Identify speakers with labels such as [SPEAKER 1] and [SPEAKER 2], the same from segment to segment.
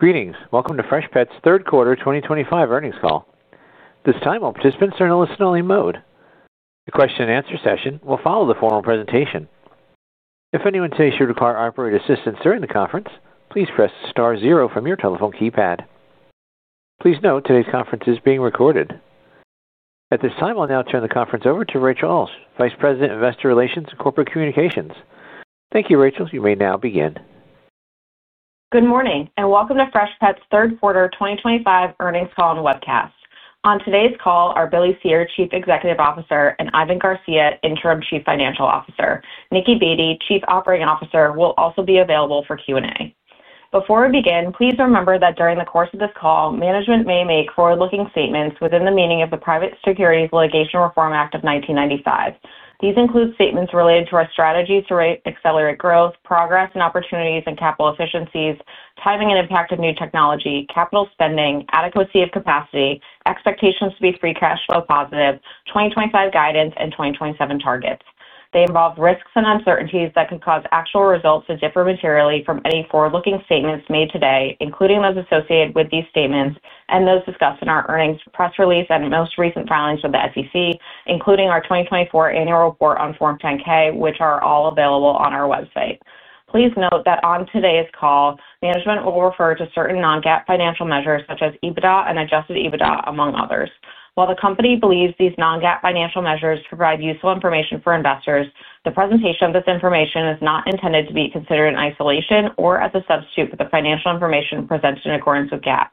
[SPEAKER 1] Greetings. Welcome to Freshpet's third quarter 2025 earnings call. At this time, all participants are in a listen-only mode. The question-and-answer session will follow the formal presentation. If anyone today should require operator assistance during the conference, please press star zero from your telephone keypad. Please note today's conference is being recorded. At this time, I'll now turn the conference over to Rachel Ulsh, Vice President of Investor Relations and Corporate Communications. Thank you, Rachel. You may now begin.
[SPEAKER 2] Good morning and welcome to Freshpet's third quarter 2025 earnings call and webcast. On today's call are Billy Cyr, Chief Executive Officer, and Ivan Garcia, Interim Chief Financial Officer. Nicki Baty, Chief Operating Officer, will also be available for Q&A. Before we begin, please remember that during the course of this call, management may make forward-looking statements within the meaning of the Private Securities Litigation Reform Act of 1995. These include statements related to our strategies to accelerate growth, progress, and opportunities and capital efficiencies, timing and impact of new technology, capital spending, adequacy of capacity, expectations to be free cash flow positive, 2025 guidance, and 2027 targets. They involve risks and uncertainties that could cause actual results to differ materially from any forward-looking statements made today, including those associated with these statements and those discussed in our earnings press release and most recent filings with the SEC, including our 2024 annual report on Form 10-K, which are all available on our website. Please note that on today's call, management will refer to certain non-GAAP financial measures such as EBITDA and Adjusted EBITDA, among others. While the company believes these non-GAAP financial measures provide useful information for investors, the presentation of this information is not intended to be considered in isolation or as a substitute for the financial information presented in accordance with GAAP.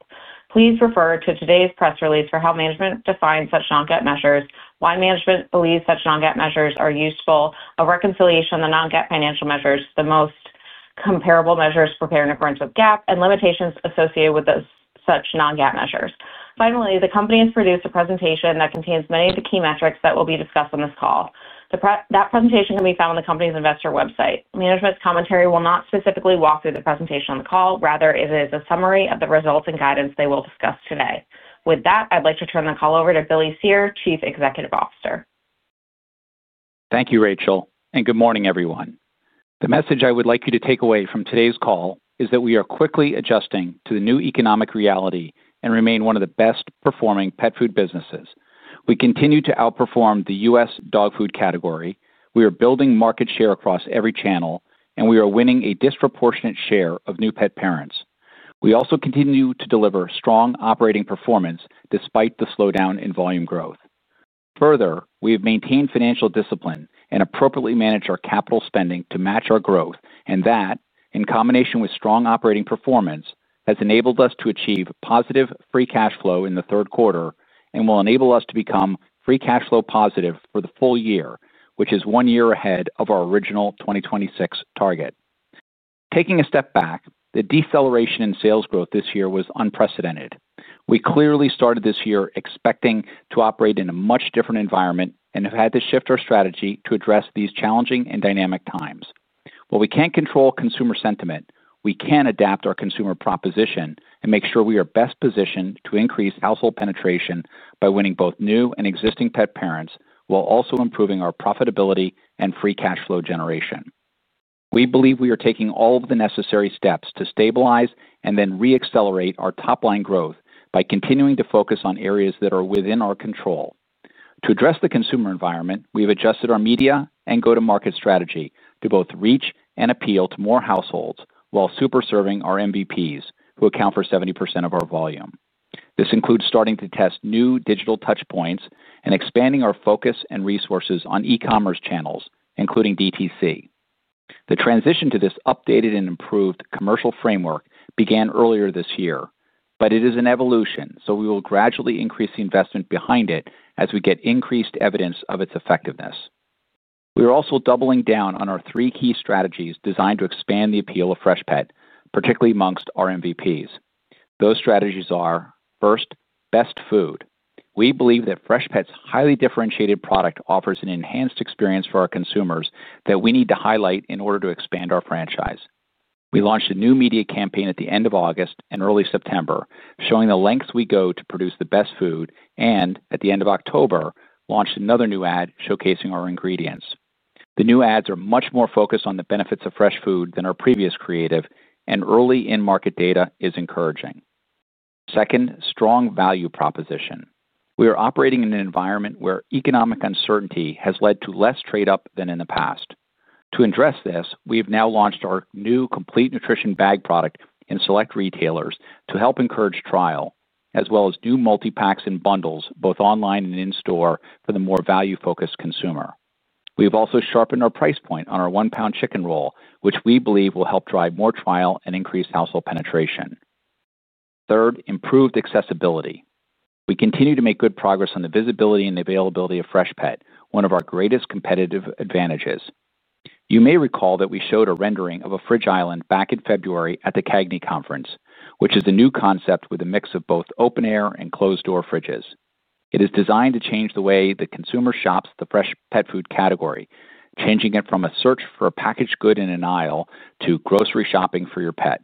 [SPEAKER 2] Please refer to today's press release for how management defines such non-GAAP measures, why management believes such non-GAAP measures are useful, a reconciliation of the non-GAAP financial measures, the most comparable measures prepared in accordance with GAAP, and limitations associated with such non-GAAP measures. Finally, the company has produced a presentation that contains many of the key metrics that will be discussed on this call. That presentation can be found on the company's investor website. Management's commentary will not specifically walk through the presentation on the call; rather, it is a summary of the results and guidance they will discuss today. With that, I'd like to turn the call over to Billy Cyr, Chief Executive Officer.
[SPEAKER 3] Thank you, Rachel, and good morning, everyone. The message I would like you to take away from today's call is that we are quickly adjusting to the new economic reality and remain one of the best-performing pet food businesses. We continue to outperform the U.S. dog food category. We are building market share across every channel, and we are winning a disproportionate share of new pet parents. We also continue to deliver strong operating performance despite the slowdown in volume growth. Further, we have maintained financial discipline and appropriately managed our capital spending to match our growth, and that, in combination with strong operating performance, has enabled us to achieve positive free cash flow in the third quarter and will enable us to become free cash flow positive for the full year, which is one year ahead of our original 2026 target. Taking a step back, the deceleration in sales growth this year was unprecedented. We clearly started this year expecting to operate in a much different environment and have had to shift our strategy to address these challenging and dynamic times. While we can't control consumer sentiment, we can adapt our consumer proposition and make sure we are best positioned to increase household penetration by winning both new and existing pet parents while also improving our profitability and free cash flow generation. We believe we are taking all of the necessary steps to stabilize and then re-accelerate our top-line growth by continuing to focus on areas that are within our control. To address the consumer environment, we've adjusted our media and go-to-market strategy to both reach and appeal to more households while superserving our MVPs, who account for 70% of our volume. This includes starting to test new digital touchpoints and expanding our focus and resources on e-commerce channels, including DTC. The transition to this updated and improved commercial framework began earlier this year, but it is an evolution, so we will gradually increase the investment behind it as we get increased evidence of its effectiveness. We are also doubling down on our three key strategies designed to expand the appeal of Freshpet, particularly amongst our MVPs. Those strategies are, first, best food. We believe that Freshpet's highly differentiated product offers an enhanced experience for our consumers that we need to highlight in order to expand our franchise. We launched a new media campaign at the end of August and early September, showing the lengths we go to produce the best food, and at the end of October, launched another new ad showcasing our ingredients. The new ads are much more focused on the benefits of fresh food than our previous creative, and early in-market data is encouraging. Second, strong value proposition. We are operating in an environment where economic uncertainty has led to less trade-up than in the past. To address this, we have now launched our new Complete Nutrition Bag product in select retailers to help encourage trial, as well as new multi-packs and bundles, both online and in-store, for the more value-focused consumer. We have also sharpened our price point on our 1 lb chicken roll, which we believe will help drive more trial and increase household penetration. Third, improved accessibility. We continue to make good progress on the visibility and availability of Freshpet, one of our greatest competitive advantages. You may recall that we showed a rendering of a Fridge Island back in February at the CAGNY Conference, which is a new concept with a mix of both open-air and closed-door fridges. It is designed to change the way the consumer shops the fresh pet food category, changing it from a search for a packaged good in an aisle to grocery shopping for your pet.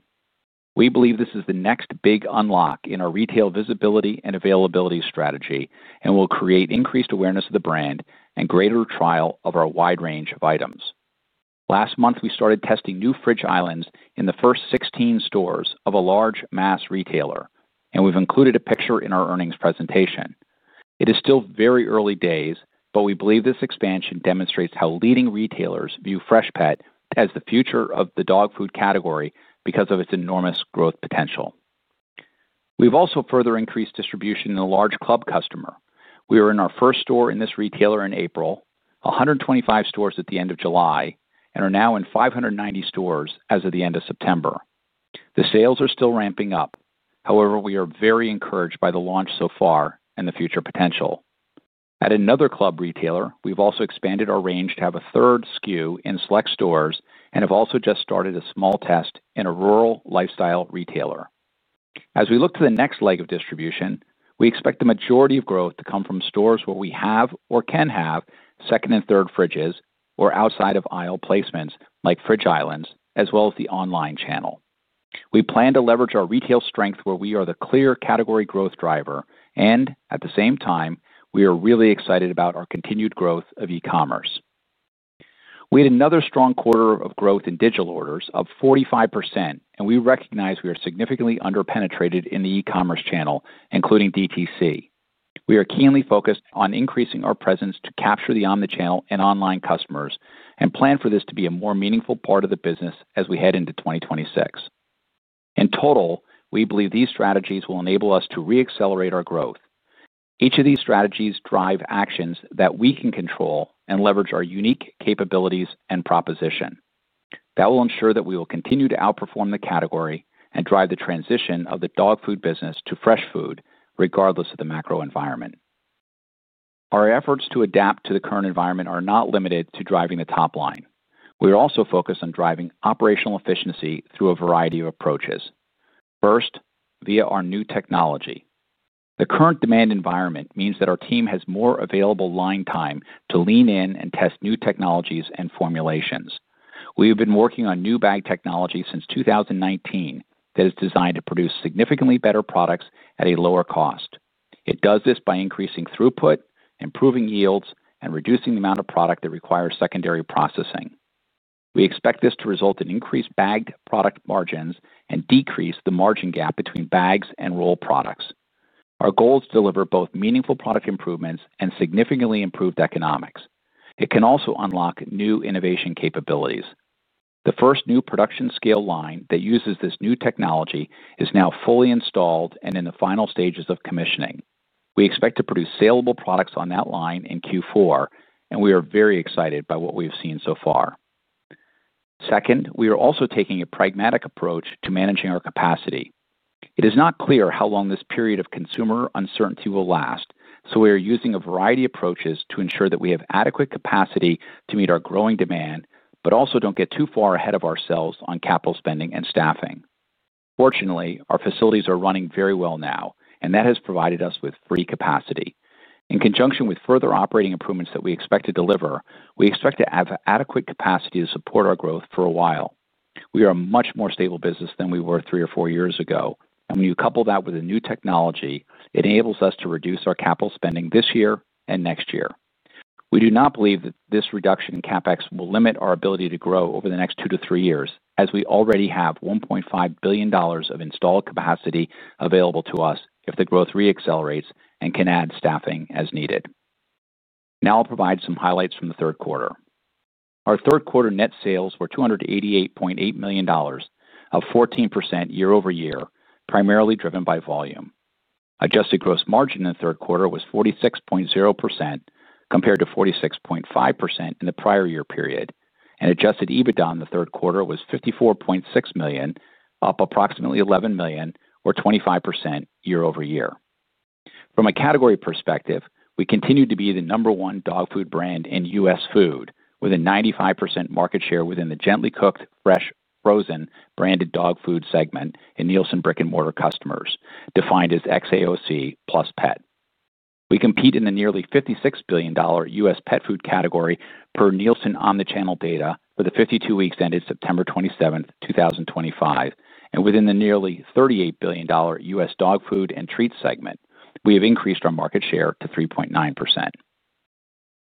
[SPEAKER 3] We believe this is the next big unlock in our retail visibility and availability strategy and will create increased awareness of the brand and greater trial of our wide range of items. Last month, we started testing new Fridge Islands in the first 16 stores of a large mass retailer, and we've included a picture in our earnings presentation. It is still very early days, but we believe this expansion demonstrates how leading retailers view Freshpet as the future of the dog food category because of its enormous growth potential. We've also further increased distribution in a large club customer. We were in our first store in this retailer in April, 125 stores at the end of July, and are now in 590 stores as of the end of September. The sales are still ramping up. However, we are very encouraged by the launch so far and the future potential. At another club retailer, we've also expanded our range to have a third SKU in select stores and have also just started a small test in a rural lifestyle retailer. As we look to the next leg of distribution, we expect the majority of growth to come from stores where we have or can have second and third fridges or outside of aisle placements like Fridge Islands, as well as the online channel. We plan to leverage our retail strength where we are the clear category growth driver, and at the same time, we are really excited about our continued growth of e-commerce. We had another strong quarter of growth in digital orders of 45%, and we recognize we are significantly under-penetrated in the e-commerce channel, including DTC. We are keenly focused on increasing our presence to capture the omnichannel and online customers and plan for this to be a more meaningful part of the business as we head into 2026. In total, we believe these strategies will enable us to re-accelerate our growth. Each of these strategies drives actions that we can control and leverage our unique capabilities and proposition. That will ensure that we will continue to outperform the category and drive the transition of the dog food business to fresh food, regardless of the macro environment. Our efforts to adapt to the current environment are not limited to driving the top line. We are also focused on driving operational efficiency through a variety of approaches. First, via our new technology. The current demand environment means that our team has more available line time to lean in and test new technologies and formulations. We have been working on new bag technology since 2019 that is designed to produce significantly better products at a lower cost. It does this by increasing throughput, improving yields, and reducing the amount of product that requires secondary processing. We expect this to result in increased bagged product margins and decrease the margin gap between bags and roll products. Our goal is to deliver both meaningful product improvements and significantly improved economics. It can also unlock new innovation capabilities. The first new production scale line that uses this new technology is now fully installed and in the final stages of commissioning. We expect to produce saleable products on that line in Q4, and we are very excited by what we've seen so far. Second, we are also taking a pragmatic approach to managing our capacity. It is not clear how long this period of consumer uncertainty will last, so we are using a variety of approaches to ensure that we have adequate capacity to meet our growing demand, but also don't get too far ahead of ourselves on capital spending and staffing. Fortunately, our facilities are running very well now, and that has provided us with free capacity. In conjunction with further operating improvements that we expect to deliver, we expect to have adequate capacity to support our growth for a while. We are a much more stable business than we were three or four years ago, and when you couple that with the new technology, it enables us to reduce our capital spending this year and next year. We do not believe that this reduction in CapEx will limit our ability to grow over the next two to three years, as we already have $1.5 billion of installed capacity available to us if the growth re-accelerates and can add staffing as needed. Now I'll provide some highlights from the third quarter. Our third quarter net sales were $288.8 million, up 14% year-over-year, primarily driven by volume. Adjusted gross margin in the third quarter was 46.0% compared to 46.5% in the prior year period, and Adjusted EBITDA in the third quarter was $54.6 million, up approximately $11 million, or 25% year-over-year. From a category perspective, we continue to be the number one dog food brand in U.S. food, with a 95% market share within the gently cooked, fresh, frozen branded dog food segment in Nielsen Brick and Mortar Customers, defined as XAOC + Pet. We compete in the nearly $56 billion U.S. pet food category per Nielsen omnichannel data for the 52 weeks ended September 27, 2025, and within the nearly $38 billion U.S. dog food and treats segment, we have increased our market share to 3.9%.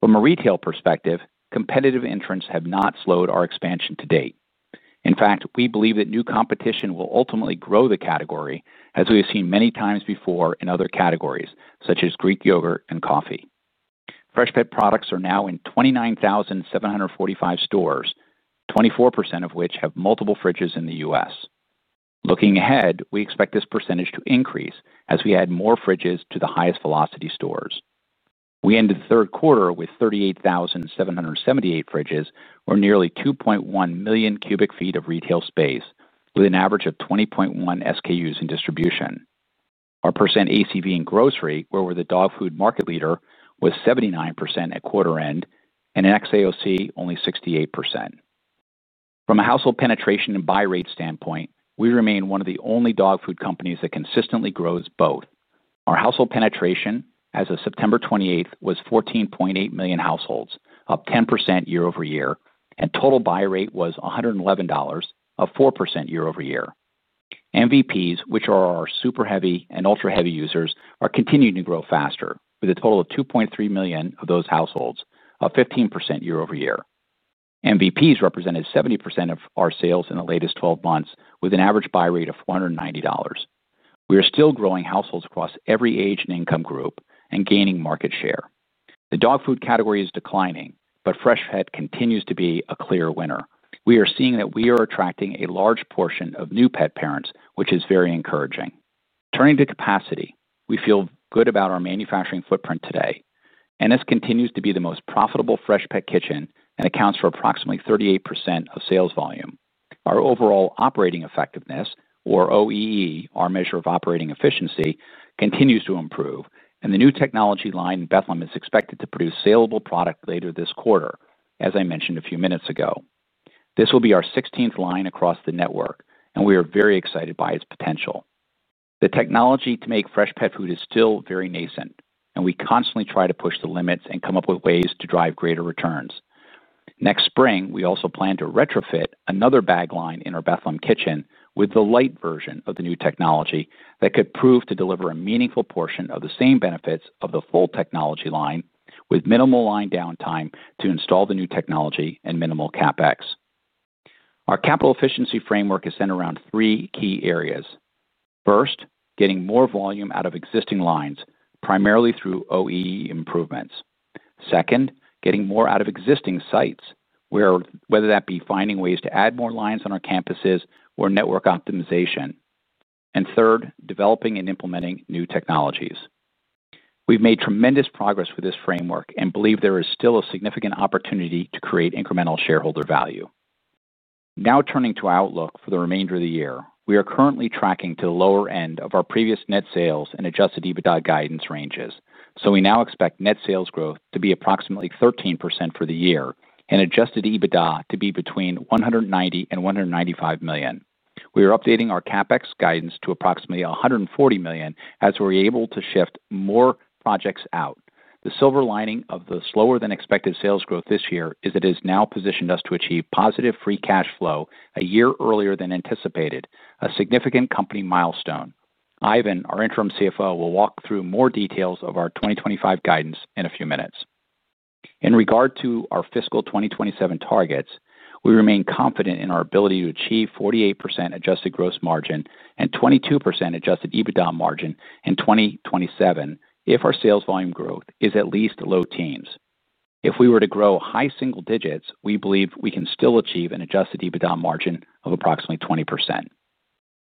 [SPEAKER 3] From a retail perspective, competitive interests have not slowed our expansion to date. In fact, we believe that new competition will ultimately grow the category, as we have seen many times before in other categories, such as Greek yogurt and coffee. Freshpet products are now in 29,745 stores, 24% of which have multiple fridges in the U.S. Looking ahead, we expect this percentage to increase as we add more fridges to the highest velocity stores. We ended the third quarter with 38,778 fridges, or nearly 2.1 million cubic feet of retail space, with an average of 20.1 SKUs in distribution. Our percent ACV in grocery, where we're the dog food market leader, was 79% at quarter-end, and in XAOC, only 68%. From a household penetration and buy rate standpoint, we remain one of the only dog food companies that consistently grows both. Our household penetration, as of September 28, was 14.8 million households, up 10% year-over-year, and total buy rate was $111, up 4% year-over-year. MVPs, which are our super heavy and ultra heavy users, are continuing to grow faster, with a total of 2.3 million of those households, up 15% year-over-year. MVPs represented 70% of our sales in the latest 12 months, with an average buy rate of $490. We are still growing households across every age and income group and gaining market share. The dog food category is declining, but Freshpet continues to be a clear winner. We are seeing that we are attracting a large portion of new pet parents, which is very encouraging. Turning to capacity, we feel good about our manufacturing footprint today. Ennis continues to be the most profitable Freshpet Kitchen and accounts for approximately 38% of sales volume. Our Overall Operating Effectiveness, or OEE, our measure of operating efficiency, continues to improve, and the new technology line in Bethlehem is expected to produce saleable product later this quarter, as I mentioned a few minutes ago. This will be our 16th line across the network, and we are very excited by its potential. The technology to make Freshpet food is still very nascent, and we constantly try to push the limits and come up with ways to drive greater returns. Next spring, we also plan to retrofit another bag line in our Bethlehem Kitchen with the light version of the new technology that could prove to deliver a meaningful portion of the same benefits of the full technology line, with minimal line downtime to install the new technology and minimal CapEx. Our capital efficiency framework is centered around three key areas. First, getting more volume out of existing lines, primarily through OEE improvements. Second, getting more out of existing sites, whether that be finding ways to add more lines on our campuses or network optimization. Third, developing and implementing new technologies. We have made tremendous progress with this framework and believe there is still a significant opportunity to create incremental shareholder value. Now turning to outlook for the remainder of the year, we are currently tracking to the lower end of our previous net sales and Adjusted EBITDA guidance ranges, so we now expect net sales growth to be approximately 13% for the year and Adjusted EBITDA to be between $190 million and $195 million. We are updating our CapEx guidance to approximately $140 million as we are able to shift more projects out. The silver lining of the slower-than-expected sales growth this year is it has now positioned us to achieve positive free cash flow a year earlier than anticipated, a significant company milestone. Ivan, our interim CFO, will walk through more details of our 2025 guidance in a few minutes. In regard to our fiscal 2027 targets, we remain confident in our ability to achieve 48% adjusted gross margin and 22% Adjusted EBITDA margin in 2027 if our sales volume growth is at least low teens. If we were to grow high single digits, we believe we can still achieve an Adjusted EBITDA margin of approximately 20%.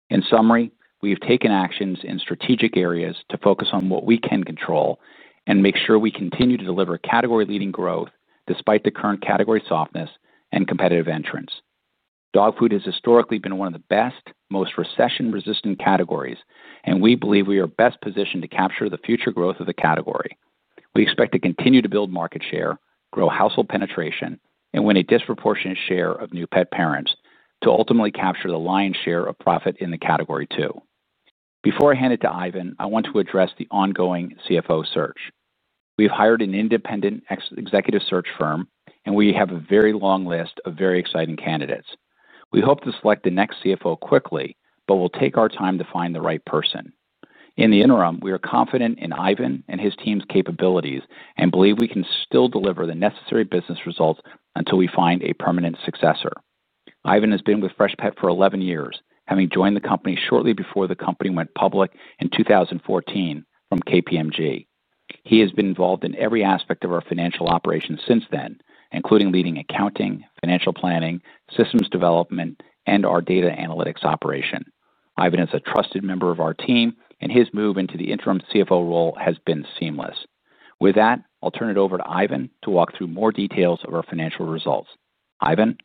[SPEAKER 3] In summary, we have taken actions in strategic areas to focus on what we can control and make sure we continue to deliver category-leading growth despite the current category softness and competitive entrance. Dog food has historically been one of the best, most recession-resistant categories, and we believe we are best positioned to capture the future growth of the category. We expect to continue to build market share, grow household penetration, and win a disproportionate share of new pet parents to ultimately capture the lion's share of profit in the category too. Before I hand it to Ivan, I want to address the ongoing CFO search. We have hired an independent executive search firm, and we have a very long list of very exciting candidates. We hope to select the next CFO quickly, but we will take our time to find the right person. In the interim, we are confident in Ivan and his team's capabilities and believe we can still deliver the necessary business results until we find a permanent successor. Ivan has been with Freshpet for 11 years, having joined the company shortly before the company went public in 2014 from KPMG. He has been involved in every aspect of our financial operations since then, including leading accounting, financial planning, systems development, and our data analytics operation. Ivan is a trusted member of our team, and his move into the interim CFO role has been seamless. With that, I will turn it over to Ivan to walk through more details of our financial results. Ivan.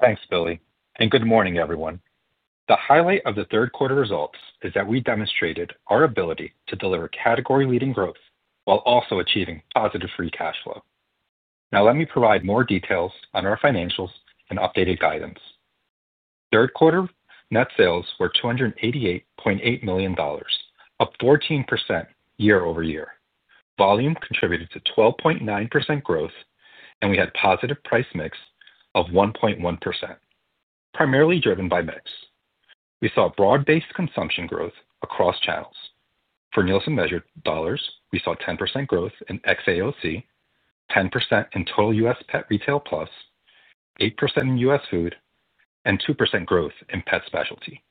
[SPEAKER 4] Thanks, Billy. And good morning, everyone. The highlight of the third quarter results is that we demonstrated our ability to deliver category-leading growth while also achieving positive free cash flow. Now, let me provide more details on our financials and updated guidance. Third quarter net sales were $288.8 million, up 14% year-over-year. Volume contributed to 12.9% growth, and we had a positive price mix of 1.1%. Primarily driven by mix, we saw broad-based consumption growth across channels. For Nielsen-measured dollars, we saw 10% growth in XAOC, 10% in Total U.S. Pet Retail Plus, 8% in U.S. food, and 2% growth in pet specialty.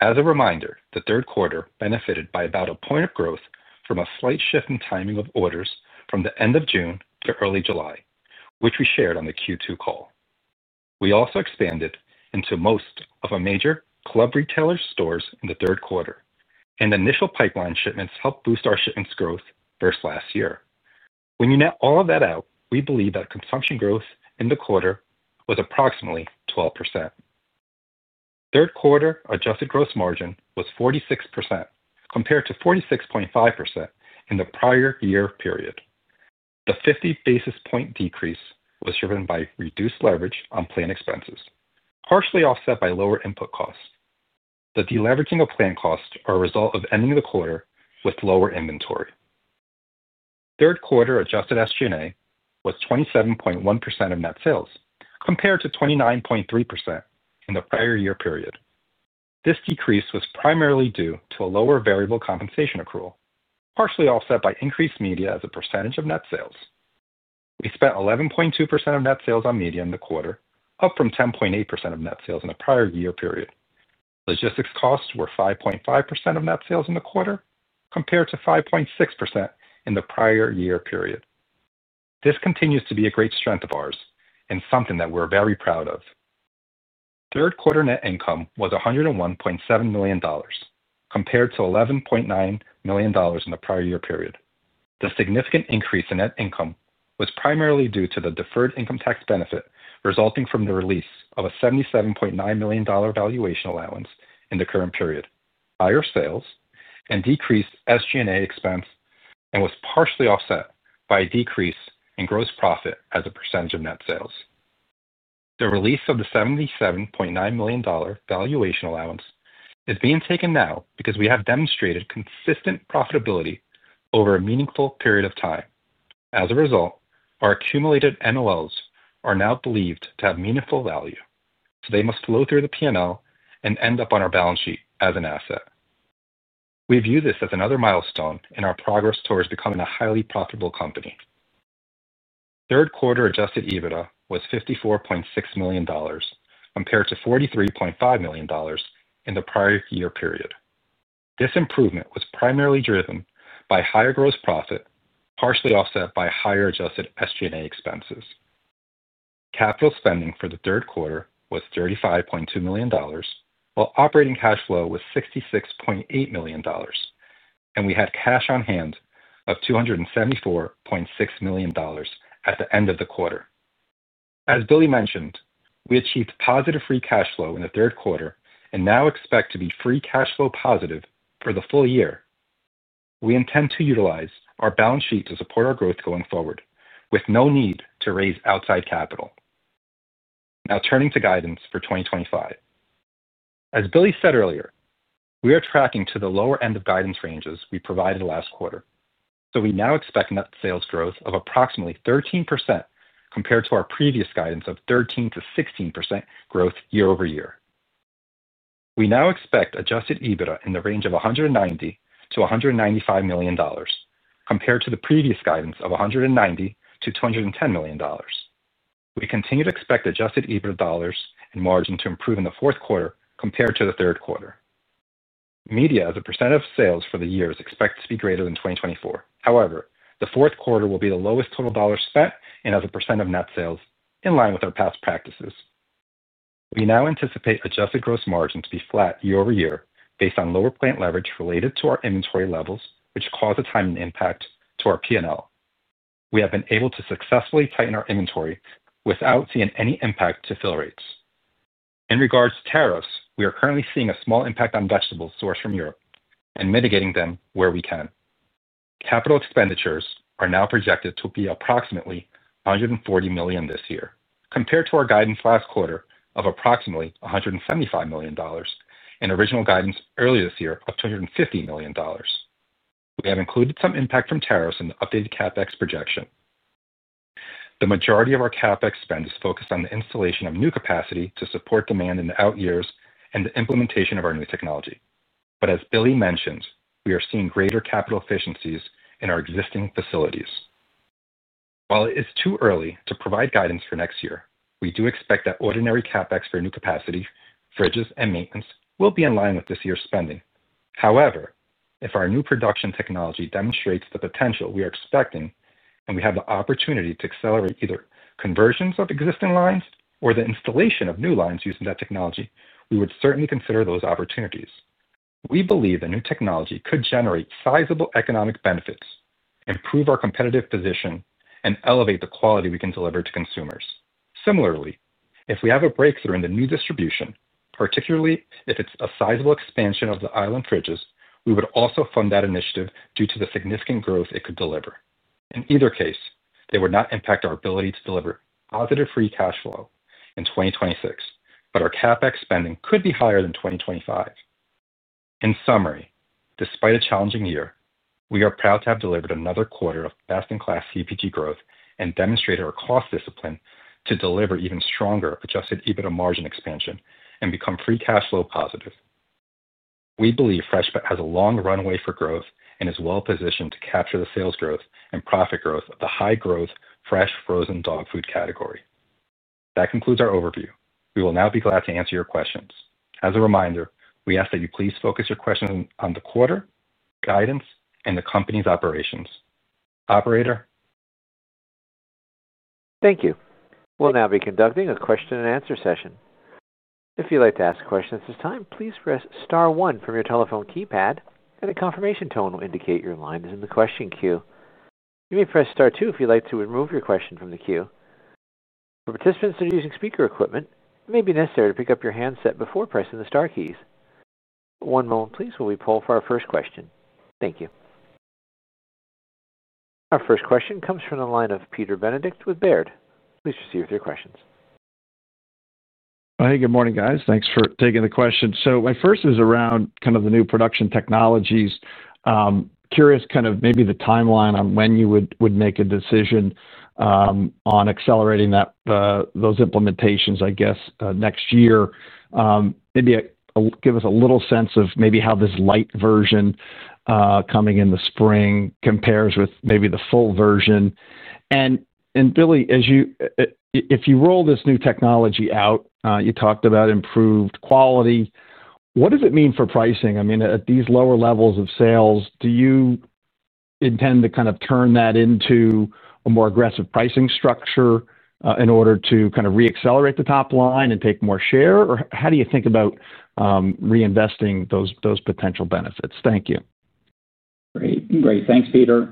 [SPEAKER 4] As a reminder, the third quarter benefited by about a point of growth from a slight shift in timing of orders from the end of June to early July, which we shared on the Q2 call. We also expanded into most of our major club retailer stores in the third quarter, and initial pipeline shipments helped boost our shipments growth versus last year. When you net all of that out, we believe that consumption growth in the quarter was approximately 12%. Third quarter adjusted gross margin was 46% compared to 46.5% in the prior year period. The 50-basis point decrease was driven by reduced leverage on planned expenses, partially offset by lower input costs. The deleveraging of planned costs is a result of ending the quarter with lower inventory. Third quarter adjusted SG&A was 27.1% of net sales compared to 29.3% in the prior year period. This decrease was primarily due to a lower variable compensation accrual, partially offset by increased media as a percentage of net sales. We spent 11.2% of net sales on media in the quarter, up from 10.8% of net sales in a prior year period. Logistics costs were 5.5% of net sales in the quarter compared to 5.6% in the prior year period. This continues to be a great strength of ours and something that we're very proud of. Third quarter net income was $101.7 million compared to $11.9 million in the prior year period. The significant increase in net income was primarily due to the deferred income tax benefit resulting from the release of a $77.9 million valuation allowance in the current period. Higher sales and decreased SG&A expense was partially offset by a decrease in gross profit as a percentage of net sales. The release of the $77.9 million valuation allowance is being taken now because we have demonstrated consistent profitability over a meaningful period of time. As a result, our accumulated NOLs are now believed to have meaningful value, so they must flow through the P&L and end up on our balance sheet as an asset. We view this as another milestone in our progress towards becoming a highly profitable company. Third quarter Adjusted EBITDA was $54.6 million compared to $43.5 million in the prior year period. This improvement was primarily driven by higher gross profit, partially offset by higher adjusted SG&A expenses. Capital spending for the third quarter was $35.2 million, while operating cash flow was $66.8 million, and we had cash on hand of $274.6 million at the end of the quarter. As Billy mentioned, we achieved positive free cash flow in the third quarter and now expect to be free cash flow positive for the full year. We intend to utilize our balance sheet to support our growth going forward, with no need to raise outside capital. Now turning to guidance for 2025. As Billy said earlier, we are tracking to the lower end of guidance ranges we provided last quarter, so we now expect net sales growth of approximately 13% compared to our previous guidance of 13%-16% growth year-over-year. We now expect Adjusted EBITDA in the range of $190 million-$195 million compared to the previous guidance of $190 million-$210 million. We continue to expect Adjusted EBITDA and margin to improve in the fourth quarter compared to the third quarter. Media as a percent of sales for the year is expected to be greater than 2024. However, the fourth quarter will be the lowest total dollar spent and as a percent of net sales, in line with our past practices. We now anticipate adjusted gross margin to be flat year-over-year based on lower plant leverage related to our inventory levels, which caused a timing impact to our P&L. We have been able to successfully tighten our inventory without seeing any impact to fill rates. In regards to tariffs, we are currently seeing a small impact on vegetables sourced from Europe and mitigating them where we can. Capital expenditures are now projected to be approximately $140 million this year, compared to our guidance last quarter of approximately $175 million and original guidance earlier this year of $250 million. We have included some impact from tariffs in the updated CapEx projection. The majority of our CapEx spend is focused on the installation of new capacity to support demand in the out years and the implementation of our new technology. As Billy mentioned, we are seeing greater capital efficiencies in our existing facilities. While it is too early to provide guidance for next year, we do expect that ordinary CapEx for new capacity, fridges, and maintenance will be in line with this year's spending. However, if our new production technology demonstrates the potential we are expecting and we have the opportunity to accelerate either conversions of existing lines or the installation of new lines using that technology, we would certainly consider those opportunities. We believe the new technology could generate sizable economic benefits, improve our competitive position, and elevate the quality we can deliver to consumers. Similarly, if we have a breakthrough in the new distribution, particularly if it is a sizable expansion of the island fridges, we would also fund that initiative due to the significant growth it could deliver. In either case, they would not impact our ability to deliver positive free cash flow in 2026, but our CapEx spending could be higher than 2025. In summary, despite a challenging year, we are proud to have delivered another quarter of best-in-class CPG growth and demonstrated our cost discipline to deliver even stronger Adjusted EBITDA margin expansion and become free cash flow positive. We believe Freshpet has a long runway for growth and is well-positioned to capture the sales growth and profit growth of the high-growth fresh frozen dog food category. That concludes our overview. We will now be glad to answer your questions. As a reminder, we ask that you please focus your questions on the quarter, guidance, and the company's operations. Operator.
[SPEAKER 1] Thank you. We'll now be conducting a question-and-answer session. If you'd like to ask a question at this time, please press star one from your telephone keypad, and a confirmation tone will indicate your line is in the question queue. You may press star two if you'd like to remove your question from the queue. For participants using speaker equipment, it may be necessary to pick up your handset before pressing the star keys. One moment, please, while we pull for our first question. Thank you. Our first question comes from the line of Peter Benedict with Baird. Please proceed with your questions.
[SPEAKER 5] Hey, good morning, guys. Thanks for taking the question. My first is around kind of the new production technologies. Curious kind of maybe the timeline on when you would make a decision on accelerating those implementations, I guess, next year. Maybe give us a little sense of maybe how this light version coming in the spring compares with maybe the full version. And Billy, if you roll this new technology out, you talked about improved quality. What does it mean for pricing? I mean, at these lower levels of sales, do you intend to kind of turn that into a more aggressive pricing structure in order to kind of re-accelerate the top line and take more share? Or how do you think about reinvesting those potential benefits? Thank you.
[SPEAKER 3] Great. Great. Thanks, Peter.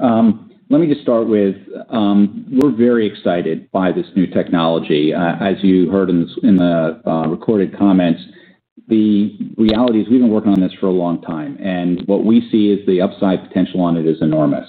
[SPEAKER 3] Let me just start with we're very excited by this new technology. As you heard in the recorded comments, the reality is we've been working on this for a long time, and what we see is the upside potential on it is enormous.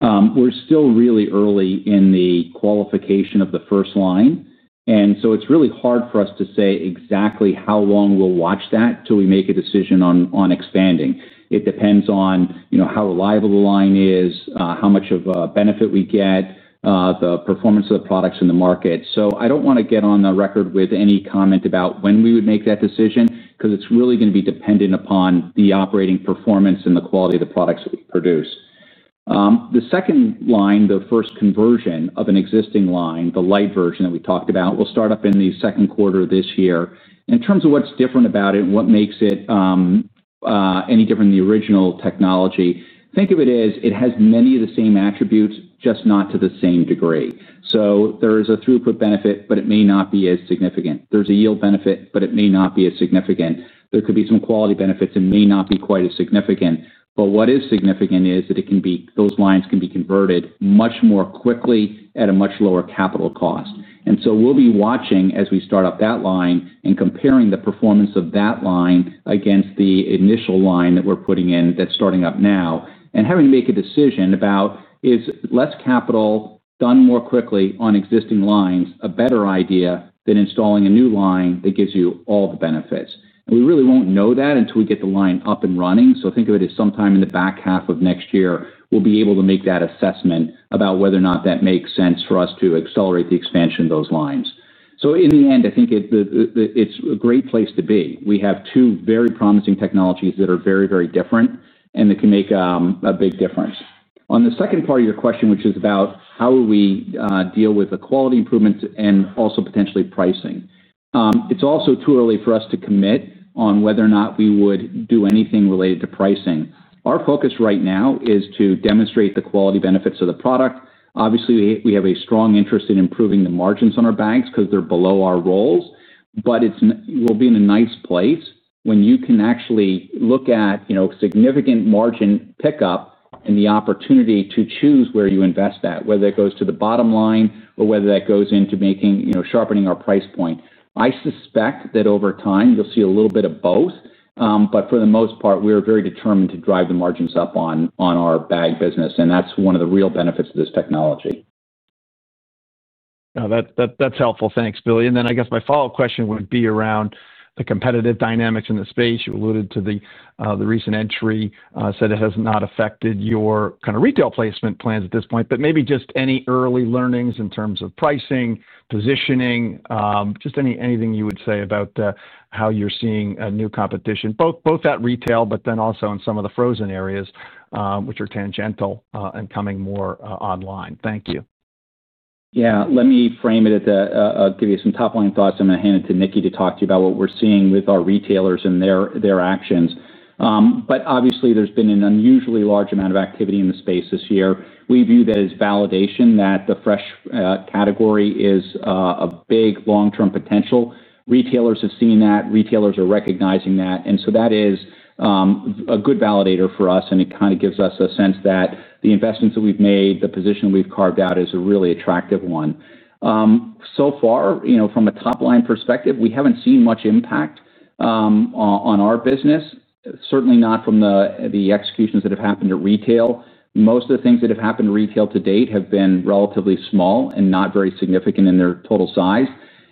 [SPEAKER 3] We're still really early in the qualification of the first line, and so it's really hard for us to say exactly how long we'll watch that till we make a decision on expanding. It depends on how reliable the line is, how much of a benefit we get, the performance of the products in the market. I don't want to get on the record with any comment about when we would make that decision because it's really going to be dependent upon the operating performance and the quality of the products that we produce. The second line, the first conversion of an existing line, the light version that we talked about, will start up in the second quarter of this year. In terms of what's different about it and what makes it any different than the original technology, think of it as it has many of the same attributes, just not to the same degree. There is a throughput benefit, but it may not be as significant. There's a yield benefit, but it may not be as significant. There could be some quality benefits and may not be quite as significant. What is significant is that those lines can be converted much more quickly at a much lower capital cost. We'll be watching as we start up that line and comparing the performance of that line against the initial line that we're putting in that's starting up now and having to make a decision about, is less capital done more quickly on existing lines a better idea than installing a new line that gives you all the benefits? We really won't know that until we get the line up and running. Think of it as sometime in the back half of next year, we'll be able to make that assessment about whether or not that makes sense for us to accelerate the expansion of those lines. In the end, I think it's a great place to be. We have two very promising technologies that are very, very different and that can make a big difference. On the second part of your question, which is about how we deal with the quality improvements and also potentially pricing, it's also too early for us to commit on whether or not we would do anything related to pricing. Our focus right now is to demonstrate the quality benefits of the product. Obviously, we have a strong interest in improving the margins on our bags because they're below our rolls, but we'll be in a nice place when you can actually look at significant margin pickup and the opportunity to choose where you invest that, whether it goes to the bottom line or whether that goes into sharpening our price point. I suspect that over time, you'll see a little bit of both, but for the most part, we are very determined to drive the margins up on our bag business, and that's one of the real benefits of this technology.
[SPEAKER 5] That's helpful. Thanks, Billy. I guess my follow-up question would be around the competitive dynamics in the space. You alluded to the recent entry, said it has not affected your kind of retail placement plans at this point, but maybe just any early learnings in terms of pricing, positioning, just anything you would say about how you're seeing new competition, both at retail, but then also in some of the frozen areas, which are tangential and coming more online. Thank you.
[SPEAKER 3] Yeah. Let me frame it at the, I'll give you some top-line thoughts. I'm going to hand it to Nicki to talk to you about what we're seeing with our retailers and their actions. Obviously, there's been an unusually large amount of activity in the space this year. We view that as validation that the fresh category is a big long-term potential. Retailers have seen that. Retailers are recognizing that. That is a good validator for us, and it kind of gives us a sense that the investments that we've made, the position we've carved out, is a really attractive one. So far, from a top-line perspective, we haven't seen much impact on our business, certainly not from the executions that have happened to retail. Most of the things that have happened to retail to date have been relatively small and not very significant in their total size.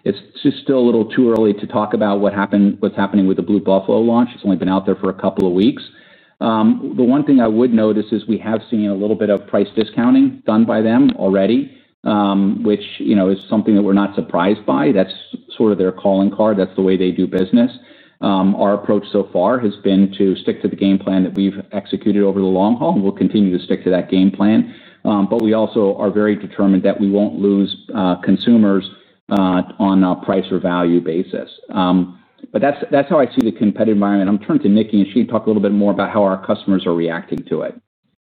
[SPEAKER 3] It's just still a little too early to talk about what's happening with the Blue Buffalo launch. It's only been out there for a couple of weeks. The one thing I would notice is we have seen a little bit of price discounting done by them already, which is something that we're not surprised by. That's sort of their calling card. That's the way they do business. Our approach so far has been to stick to the game plan that we've executed over the long haul, and we'll continue to stick to that game plan. We also are very determined that we won't lose consumers on a price or value basis. That's how I see the competitive environment. I'm turning to Nicki, and she can talk a little bit more about how our customers are reacting to it.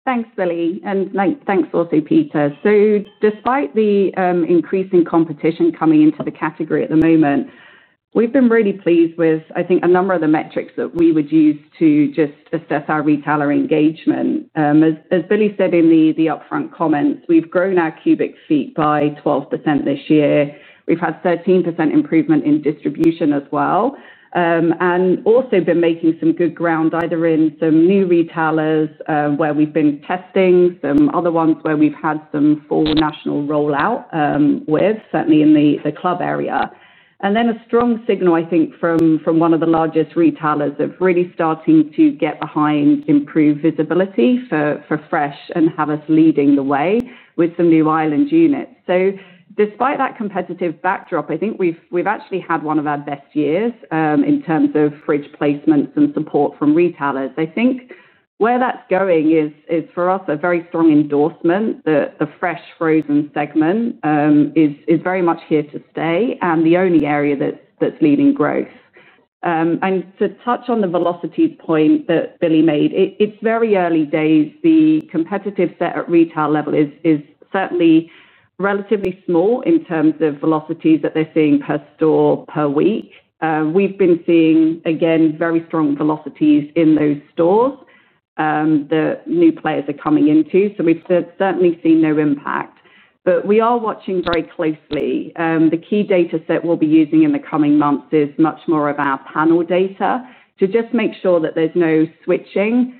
[SPEAKER 6] Thanks, Billy. Thanks also, Peter. Despite the increasing competition coming into the category at the moment, we've been really pleased with, I think, a number of the metrics that we would use to just assess our retailer engagement. As Billy said in the upfront comments, we've grown our cubic feet by 12% this year. We've had 13% improvement in distribution as well. We've also been making some good ground either in some new retailers where we've been testing, some other ones where we've had some full national rollout with, certainly in the club area. A strong signal, I think, from one of the largest retailers of really starting to get behind improved visibility for fresh and have us leading the way with some new island units. Despite that competitive backdrop, I think we've actually had one of our best years in terms of fridge placements and support from retailers. I think where that's going is, for us, a very strong endorsement that the fresh frozen segment is very much here to stay and the only area that's leading growth. To touch on the velocity point that Billy made, it's very early days. The competitive set at retail level is certainly relatively small in terms of velocities that they're seeing per store per week. We've been seeing, again, very strong velocities in those stores. The new players are coming in too. We've certainly seen no impact, but we are watching very closely. The key data set we'll be using in the coming months is much more of our panel data to just make sure that there's no switching,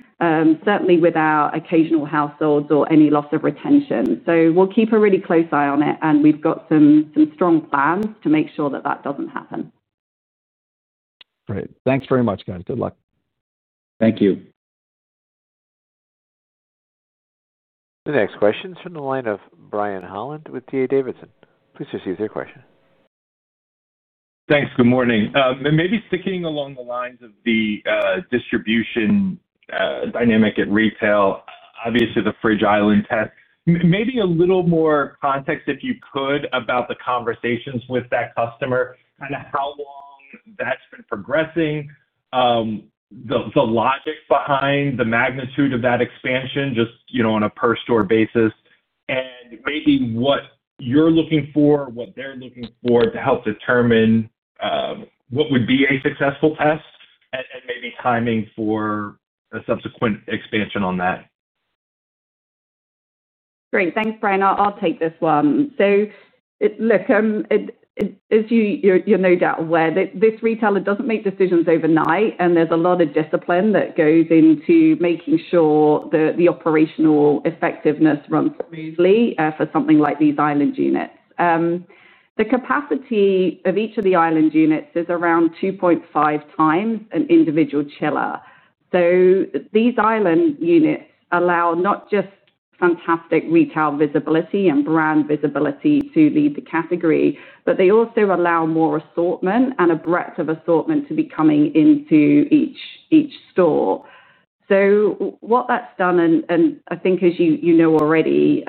[SPEAKER 6] certainly without occasional households or any loss of retention. We'll keep a really close eye on it, and we've got some strong plans to make sure that that doesn't happen.
[SPEAKER 5] Great. Thanks very much, guys. Good luck.
[SPEAKER 3] Thank you.
[SPEAKER 1] The next question is from the line of Brian Holland with D. A. Davidson. Please proceed with your question.
[SPEAKER 7] Thanks. Good morning. Maybe sticking along the lines of the distribution dynamic at retail, obviously the Fridge Island test, maybe a little more context, if you could, about the conversations with that customer, kind of how long that's been progressing. The logic behind the magnitude of that expansion, just on a per-store basis, and maybe what you're looking for, what they're looking for to help determine what would be a successful test and maybe timing for a subsequent expansion on that.
[SPEAKER 6] Great. Thanks, Brian. I'll take this one. Look, as you're no doubt aware, this retailer doesn't make decisions overnight, and there's a lot of discipline that goes into making sure that the operational effectiveness runs smoothly for something like these island units. The capacity of each of the island units is around 2.5x an individual chiller. These island units allow not just fantastic retail visibility and brand visibility to lead the category, but they also allow more assortment and a breadth of assortment to be coming into each store. What that's done, and I think as you know already,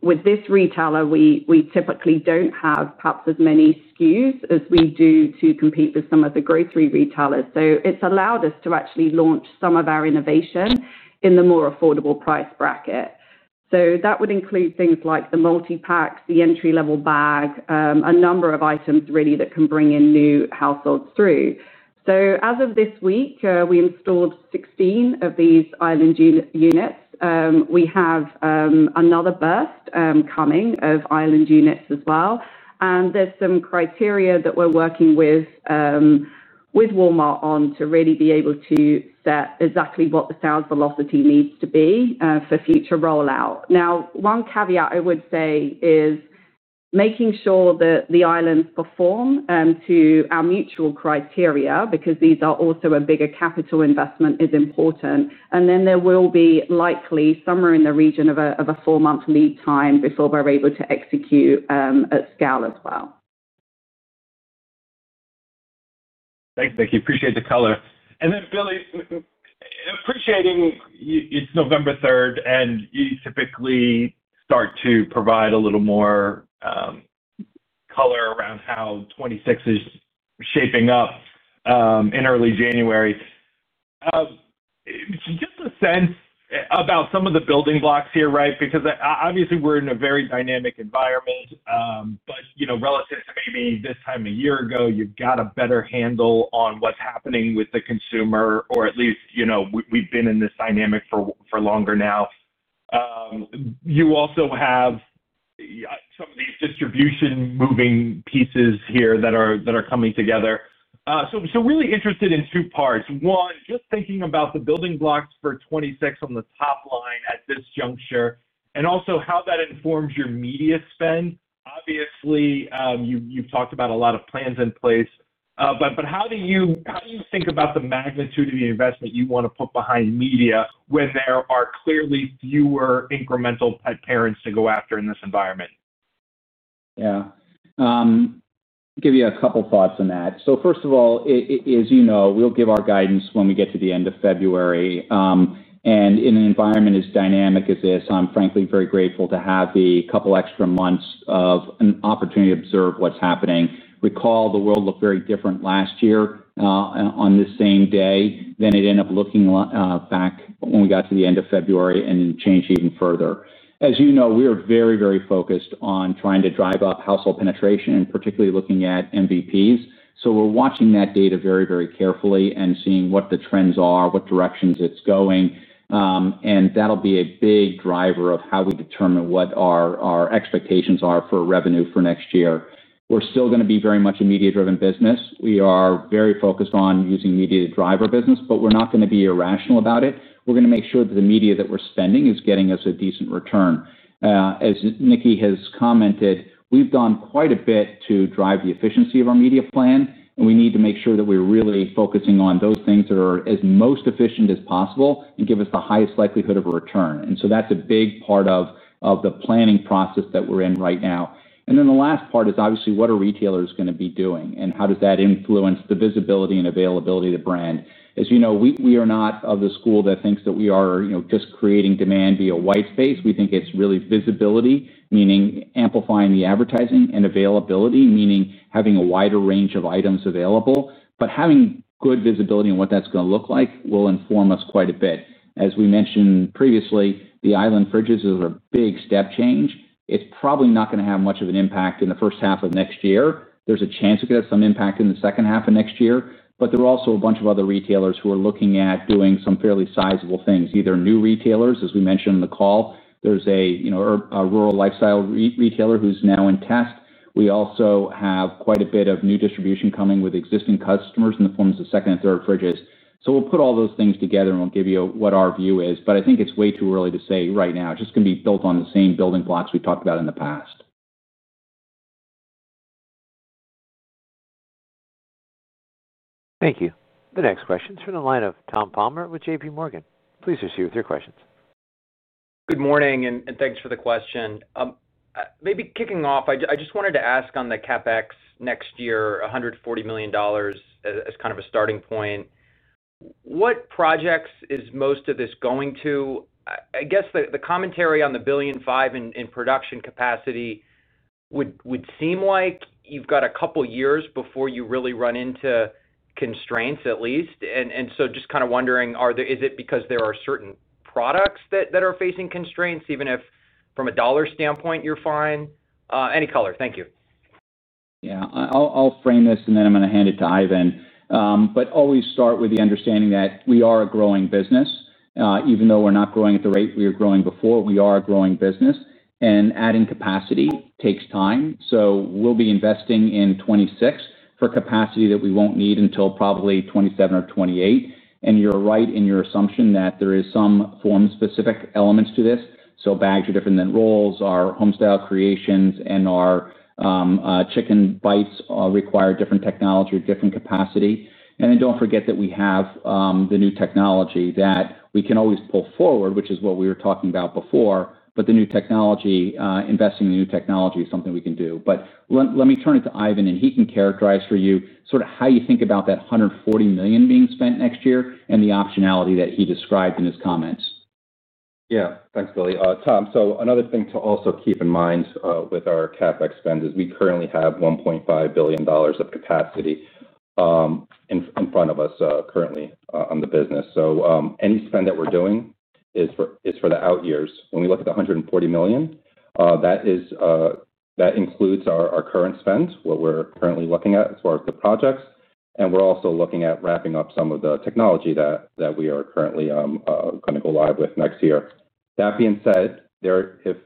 [SPEAKER 6] with this retailer, we typically don't have perhaps as many SKUs as we do to compete with some of the grocery retailers. It's allowed us to actually launch some of our innovation in the more affordable price bracket. That would include things like the multi-packs, the entry-level bag, a number of items really that can bring in new households through. As of this week, we installed 16 of these island units. We have another burst coming of island units as well. There's some criteria that we're working with Walmart on to really be able to set exactly what the sales velocity needs to be for future rollout. Now, one caveat I would say is making sure that the islands perform to our mutual criteria because these are also a bigger capital investment is important. There will be likely somewhere in the region of a four-month lead time before we're able to execute at scale as well.
[SPEAKER 7] Thank you. Appreciate the color. And then, Billy. Appreciating it's November 3rd, and you typically start to provide a little more. Color around how 2026 is shaping up. In early January. Just a sense about some of the building blocks here, right? Because obviously, we're in a very dynamic environment. But relative to maybe this time a year ago, you've got a better handle on what's happening with the consumer, or at least we've been in this dynamic for longer now. You also have some of these distribution moving pieces here that are coming together. Really interested in two parts. One, just thinking about the building blocks for 2026 on the top line at this juncture, and also how that informs your media spend. Obviously, you've talked about a lot of plans in place. How do you think about the magnitude of the investment you want to put behind media when there are clearly fewer incremental parents to go after in this environment?
[SPEAKER 3] Yeah. I'll give you a couple of thoughts on that. First of all, as you know, we'll give our guidance when we get to the end of February. In an environment as dynamic as this, I'm frankly very grateful to have the couple of extra months of an opportunity to observe what's happening. Recall, the world looked very different last year on the same day than it ended up looking back when we got to the end of February and changed even further. As you know, we are very, very focused on trying to drive up household penetration and particularly looking at MVPs. We're watching that data very, very carefully and seeing what the trends are, what directions it's going. That'll be a big driver of how we determine what our expectations are for revenue for next year. We're still going to be very much a media-driven business. We are very focused on using media to drive our business, but we're not going to be irrational about it. We're going to make sure that the media that we're spending is getting us a decent return. As Nicki has commented, we've done quite a bit to drive the efficiency of our media plan, and we need to make sure that we're really focusing on those things that are as most efficient as possible and give us the highest likelihood of a return. That's a big part of the planning process that we're in right now. The last part is obviously what are retailers going to be doing and how does that influence the visibility and availability of the brand. As you know, we are not of the school that thinks that we are just creating demand via white space. We think it's really visibility, meaning amplifying the advertising, and availability, meaning having a wider range of items available. Having good visibility on what that's going to look like will inform us quite a bit. As we mentioned previously, the island fridges is a big step change. It's probably not going to have much of an impact in the first half of next year. There's a chance we could have some impact in the second half of next year. There are also a bunch of other retailers who are looking at doing some fairly sizable things, either new retailers, as we mentioned in the call, there's a rural lifestyle retailer who's now in test. We also have quite a bit of new distribution coming with existing customers in the forms of second and third fridges. We'll put all those things together, and we'll give you what our view is. I think it's way too early to say right now. It's just going to be built on the same building blocks we talked about in the past.
[SPEAKER 1] Thank you. The next question is from the line of Tom Palmer with JPMorgan. Please proceed with your questions.
[SPEAKER 8] Good morning, and thanks for the question. Maybe kicking off, I just wanted to ask on the CapEx next year, $140 million. As kind of a starting point. What projects is most of this going to? I guess the commentary on the billion five in production capacity would seem like you've got a couple of years before you really run into constraints, at least. Just kind of wondering, is it because there are certain products that are facing constraints, even if from a dollar standpoint, you're fine? Any color. Thank you.
[SPEAKER 3] Yeah. I'll frame this, and then I'm going to hand it to Ivan. Always start with the understanding that we are a growing business. Even though we're not growing at the rate we were growing before, we are a growing business. Adding capacity takes time. We'll be investing in 2026 for capacity that we won't need until probably 2027 or 2028. You're right in your assumption that there are some form-specific elements to this. Bags are different than rolls. Our Homestyle Creations and our chicken bites require different technology, different capacity. Don't forget that we have the new technology that we can always pull forward, which is what we were talking about before. The new technology, investing in new technology is something we can do. Let me turn it to Ivan, and he can characterize for you sort of how you think about that $140 million being spent next year and the optionality that he described in his comments.
[SPEAKER 4] Yeah. Thanks, Billy. Tom, another thing to also keep in mind with our CapEx spend is we currently have $1.5 billion of capacity in front of us currently on the business. Any spend that we're doing is for the out years. When we look at the $140 million, that includes our current spend, what we're currently looking at as far as the projects. We're also looking at wrapping up some of the technology that we are currently going to go live with next year. That being said. If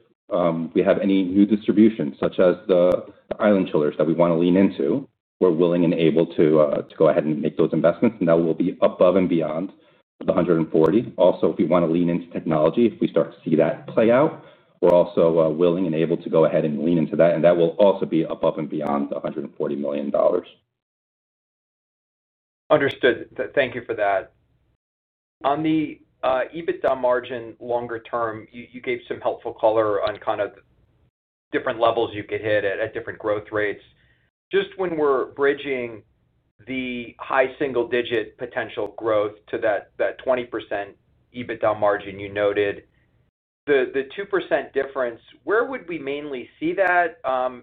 [SPEAKER 4] we have any new distribution, such as the island chillers that we want to lean into, we're willing and able to go ahead and make those investments. That will be above and beyond the $140 million. Also, if we want to lean into technology, if we start to see that play out, we're also willing and able to go ahead and lean into that. That will also be above and beyond the $140 million.
[SPEAKER 8] Understood. Thank you for that. On the EBITDA margin longer term, you gave some helpful color on kind of different levels you could hit at different growth rates. Just when we're bridging the high single-digit potential growth to that 20% EBITDA margin you noted. The 2% difference, where would we mainly see that?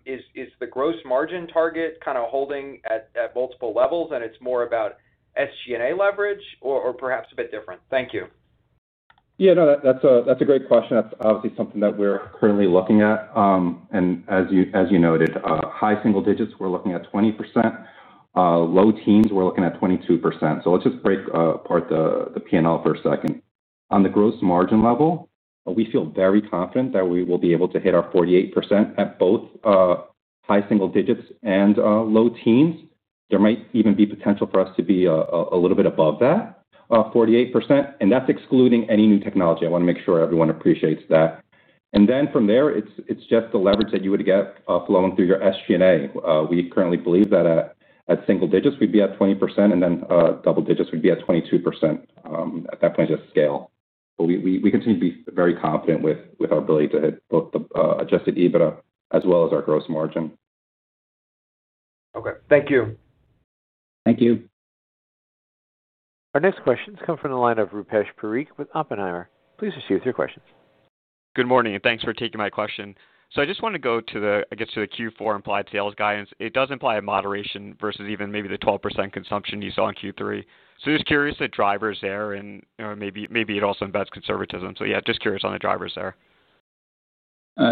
[SPEAKER 8] Is the gross margin target kind of holding at multiple levels, and it's more about SG&A leverage, or perhaps a bit different? Thank you.
[SPEAKER 4] Yeah. No, that's a great question. That's obviously something that we're currently looking at. As you noted, high single digits, we're looking at 20%. Low teens, we're looking at 22%. Let's just break apart the P&L for a second. On the gross margin level, we feel very confident that we will be able to hit our 48% at both high single digits and low teens. There might even be potential for us to be a little bit above that 48%. That's excluding any new technology. I want to make sure everyone appreciates that. From there, it's just the leverage that you would get flowing through your SG&A. We currently believe that at single digits, we'd be at 20%, and then double digits would be at 22% at that point of scale. We continue to be very confident with our ability to hit both the Adjusted EBITDA as well as our gross margin.
[SPEAKER 8] Okay. Thank you.
[SPEAKER 3] Thank you.
[SPEAKER 1] Our next question has come from the line of Rupesh Parikh with Oppenheimer. Please proceed with your questions.
[SPEAKER 9] Good morning. Thanks for taking my question. I just want to go to the, I guess, to the Q4 implied sales guidance. It does imply a moderation versus even maybe the 12% consumption you saw in Q3. Just curious the drivers there and maybe it also embeds conservatism. Just curious on the drivers there.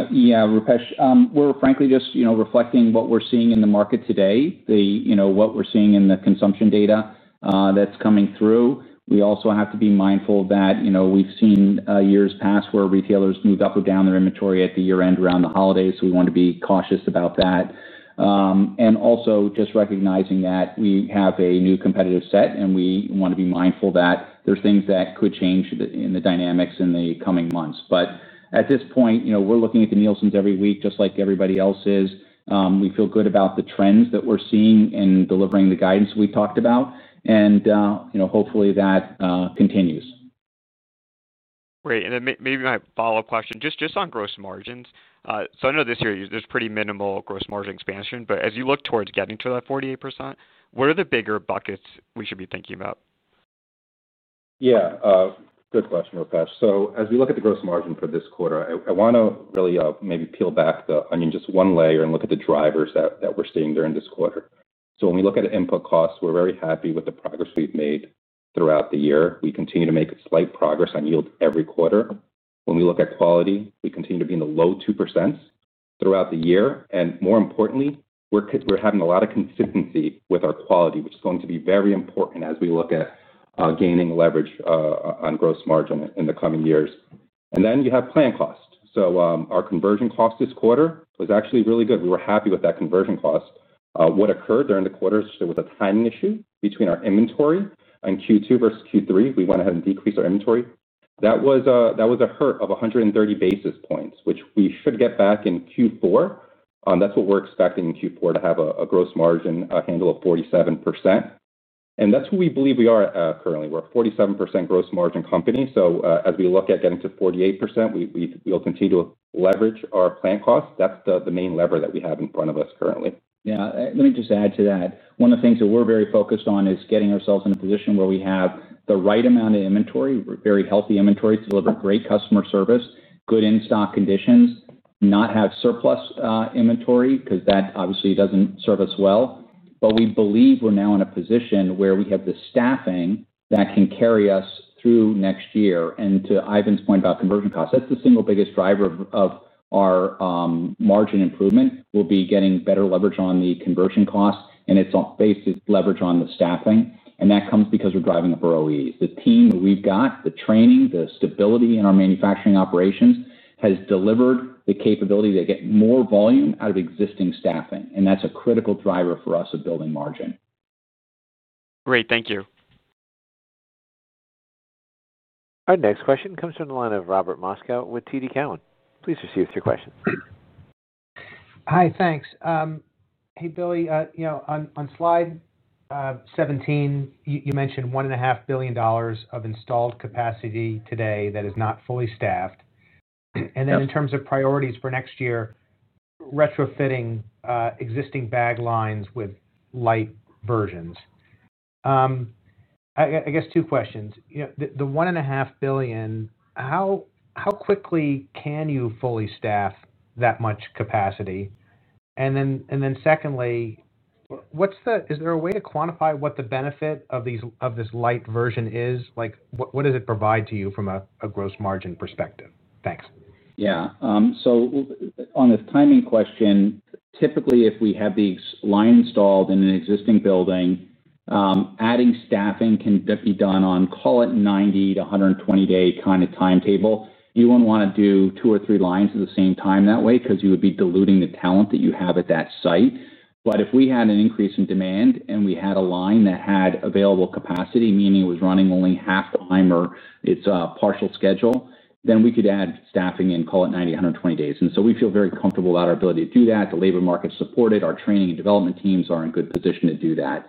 [SPEAKER 3] Yeah, Rupesh, we're frankly just reflecting what we're seeing in the market today, what we're seeing in the consumption data that's coming through. We also have to be mindful that we've seen years past where retailers moved up or down their inventory at the year-end around the holidays. We want to be cautious about that. Also just recognizing that we have a new competitive set, and we want to be mindful that there's things that could change in the dynamics in the coming months. At this point, we're looking at the Nielsen's every week, just like everybody else is. We feel good about the trends that we're seeing in delivering the guidance we talked about. Hopefully that continues.
[SPEAKER 9] Great. Maybe my follow-up question, just on gross margins. I know this year there's pretty minimal gross margin expansion, but as you look towards getting to that 48%, what are the bigger buckets we should be thinking about?
[SPEAKER 4] Yeah. Good question, Rupesh. As we look at the gross margin for this quarter, I want to really maybe peel back the onion just one layer and look at the drivers that we're seeing during this quarter. When we look at input costs, we're very happy with the progress we've made throughout the year. We continue to make slight progress on yield every quarter. When we look at quality, we continue to be in the low 2% throughout the year. More importantly, we're having a lot of consistency with our quality, which is going to be very important as we look at gaining leverage on gross margin in the coming years. Then you have plant cost. Our conversion cost this quarter was actually really good. We were happy with that conversion cost. What occurred during the quarter was a timing issue between our inventory in Q2 versus Q3. We went ahead and decreased our inventory. That was a hurt of 130 basis points, which we should get back in Q4. That's what we're expecting in Q4, to have a gross margin handle of 47%. That's who we believe we are currently. We're a 47% gross margin company. As we look at getting to 48%, we'll continue to leverage our plant costs. That's the main lever that we have in front of us currently.
[SPEAKER 3] Yeah. Let me just add to that. One of the things that we're very focused on is getting ourselves in a position where we have the right amount of inventory, very healthy inventory, deliver great customer service, good in-stock conditions, not have surplus inventory because that obviously doesn't serve us well. We believe we're now in a position where we have the staffing that can carry us through next year. To Ivan's point about conversion costs, that's the single biggest driver of our margin improvement. We'll be getting better leverage on the conversion cost, and it's based on leverage on the staffing. That comes because we're driving up our OEEs. The team we've got, the training, the stability in our manufacturing operations has delivered the capability to get more volume out of existing staffing. That's a critical driver for us of building margin.
[SPEAKER 9] Great. Thank you.
[SPEAKER 1] Our next question comes from the line of Robert Moskow with TD Cowen. Please proceed with your questions.
[SPEAKER 10] Hi, thanks. Hey, Billy. On slide 17, you mentioned $1.5 billion of installed capacity today that is not fully staffed. In terms of priorities for next year, retrofitting existing bag lines with light versions. I guess two questions. The $1.5 billion, how quickly can you fully staff that much capacity? And then secondly, is there a way to quantify what the benefit of this light version is? What does it provide to you from a gross margin perspective? Thanks.
[SPEAKER 3] Yeah. So on the timing question, typically, if we have these lines installed in an existing building, adding staffing can be done on, call it, 90-120 day kind of timetable. You would not want to do two or three lines at the same time that way because you would be diluting the talent that you have at that site. If we had an increase in demand and we had a line that had available capacity, meaning it was running only half-time or its partial schedule, then we could add staffing in, call it, 90-120 days. We feel very comfortable about our ability to do that. The labor market supported, our training and development teams are in a good position to do that.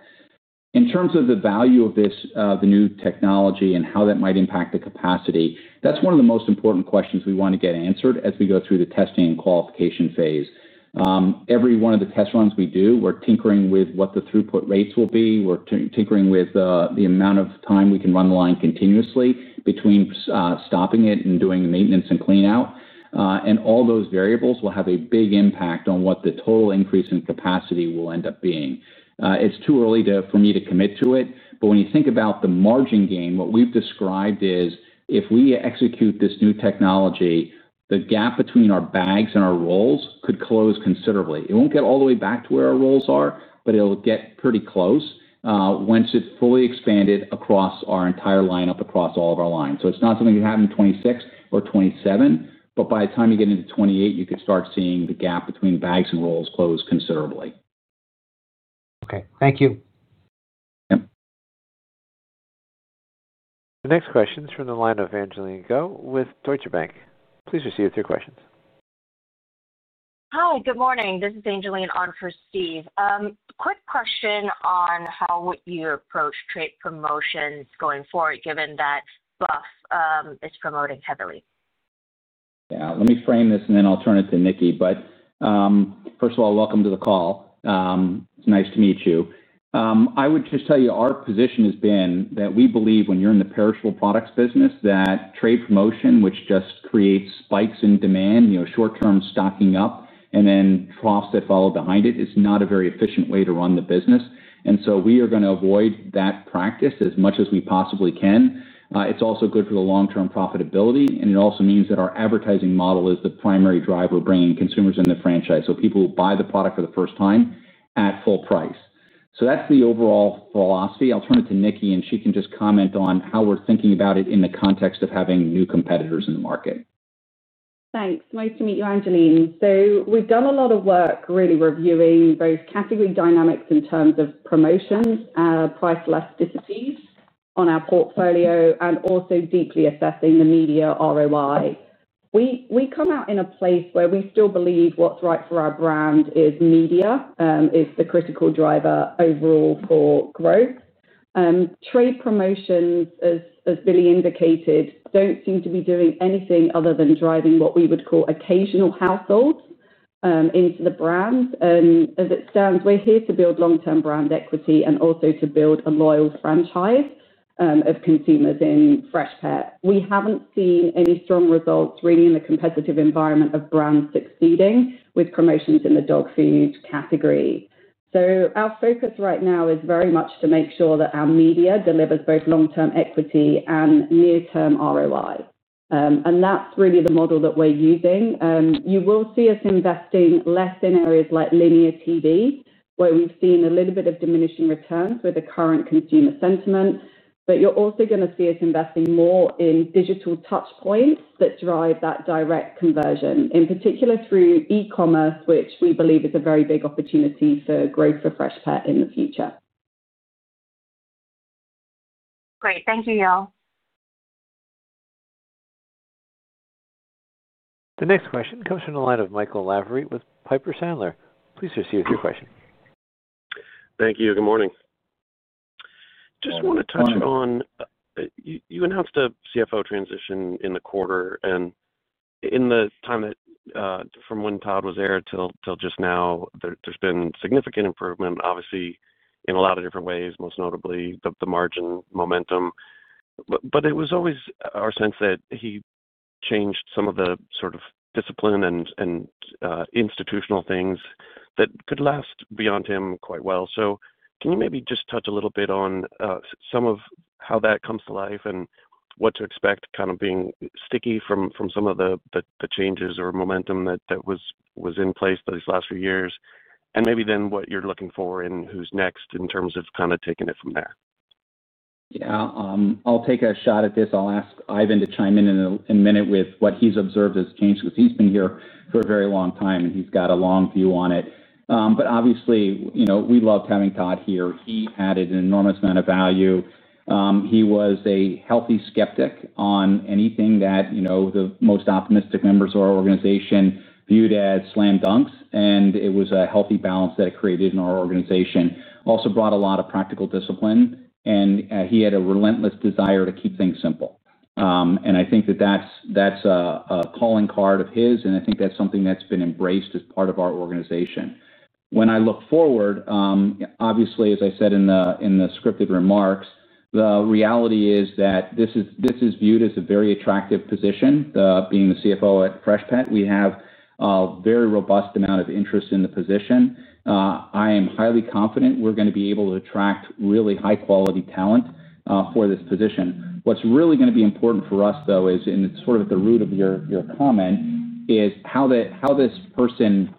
[SPEAKER 3] In terms of the value of the new technology and how that might impact the capacity, that is one of the most important questions we want to get answered as we go through the testing and qualification phase. Every one of the test runs we do, we are tinkering with what the throughput rates will be. We are tinkering with the amount of time we can run the line continuously between stopping it and doing maintenance and clean-out. All those variables will have a big impact on what the total increase in capacity will end up being. It is too early for me to commit to it. When you think about the margin gain, what we have described is if we execute this new technology, the gap between our bags and our rolls could close considerably. It will not get all the way back to where our rolls are, but it will get pretty close once it is fully expanded across our entire lineup, across all of our lines. It is not something that happened in 2026 or 2027, but by the time you get into 2028, you could start seeing the gap between bags and rolls close considerably.
[SPEAKER 10] Okay. Thank you.
[SPEAKER 3] Yep.
[SPEAKER 1] The next question is from the line of Angeline Goh with Deutsche Bank. Please proceed with your questions.
[SPEAKER 11] Hi, good morning. This is Angeline on for Steve. Quick question on how would you approach trade promotions going forward, given that Buff is promoting heavily?
[SPEAKER 3] Yeah. Let me frame this, and then I will turn it to Nicki. First of all, welcome to the call. It is nice to meet you. I would just tell you our position has been that we believe when you are in the perishable products business, that trade promotion, which just creates spikes in demand, short-term stocking up, and then profits that follow behind it, is not a very efficient way to run the business. We are going to avoid that practice as much as we possibly can. It's also good for the long-term profitability. It also means that our advertising model is the primary driver bringing consumers in the franchise. People buy the product for the first time at full price. That's the overall philosophy. I'll turn it to Nicki, and she can just comment on how we're thinking about it in the context of having new competitors in the market.
[SPEAKER 6] Thanks. Nice to meet you, Angeline. We've done a lot of work really reviewing both category dynamics in terms of promotions, price elasticities on our portfolio, and also deeply assessing the media ROI. We come out in a place where we still believe what's right for our brand is media is the critical driver overall for growth. Trade promotions, as Billy indicated, don't seem to be doing anything other than driving what we would call occasional households into the brand. As it stands, we're here to build long-term brand equity and also to build a loyal franchise of consumers in Freshpet. We haven't seen any strong results really in the competitive environment of brands succeeding with promotions in the dog food category. Our focus right now is very much to make sure that our media delivers both long-term equity and near-term ROI. That's really the model that we're using. You will see us investing less in areas like linear TV, where we've seen a little bit of diminishing returns with the current consumer sentiment. You're also going to see us investing more in digital touchpoints that drive that direct conversion, in particular through e-commerce, which we believe is a very big opportunity for growth for Freshpet in the future.
[SPEAKER 11] Great. Thank you, y'all.
[SPEAKER 1] The next question comes from the line of Michael Lavery with Piper Sandler. Please proceed with your question.
[SPEAKER 12] Thank you. Good morning. Just want to touch on. You announced a CFO transition in the quarter. In the time from when Todd was there until just now, there's been significant improvement, obviously, in a lot of different ways, most notably the margin momentum. It was always our sense that he changed some of the sort of discipline and institutional things that could last beyond him quite well. Can you maybe just touch a little bit on some of how that comes to life and what to expect kind of being sticky from some of the changes or momentum that was in place these last few years? Maybe then what you're looking for and who's next in terms of kind of taking it from there.
[SPEAKER 3] Yeah. I'll take a shot at this. I'll ask Ivan to chime in in a minute with what he's observed as change because he's been here for a very long time, and he's got a long view on it. Obviously, we loved having Todd here. He added an enormous amount of value. He was a healthy skeptic on anything that the most optimistic members of our organization viewed as slam dunks. It was a healthy balance that it created in our organization. He also brought a lot of practical discipline. He had a relentless desire to keep things simple. I think that that's a calling card of his. I think that's something that's been embraced as part of our organization. When I look forward, obviously, as I said in the scripted remarks, the reality is that this is viewed as a very attractive position, being the CFO at Freshpet. We have a very robust amount of interest in the position. I am highly confident we're going to be able to attract really high-quality talent for this position. What's really going to be important for us, though, and it's sort of at the root of your comment, is how this person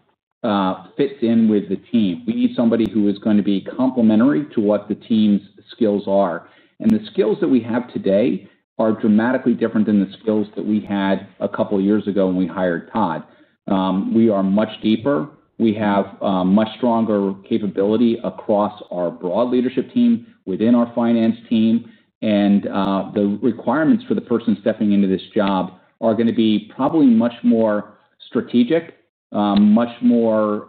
[SPEAKER 3] fits in with the team. We need somebody who is going to be complementary to what the team's skills are. The skills that we have today are dramatically different than the skills that we had a couple of years ago when we hired Todd. We are much deeper. We have much stronger capability across our broad leadership team, within our finance team. The requirements for the person stepping into this job are going to be probably much more strategic, much more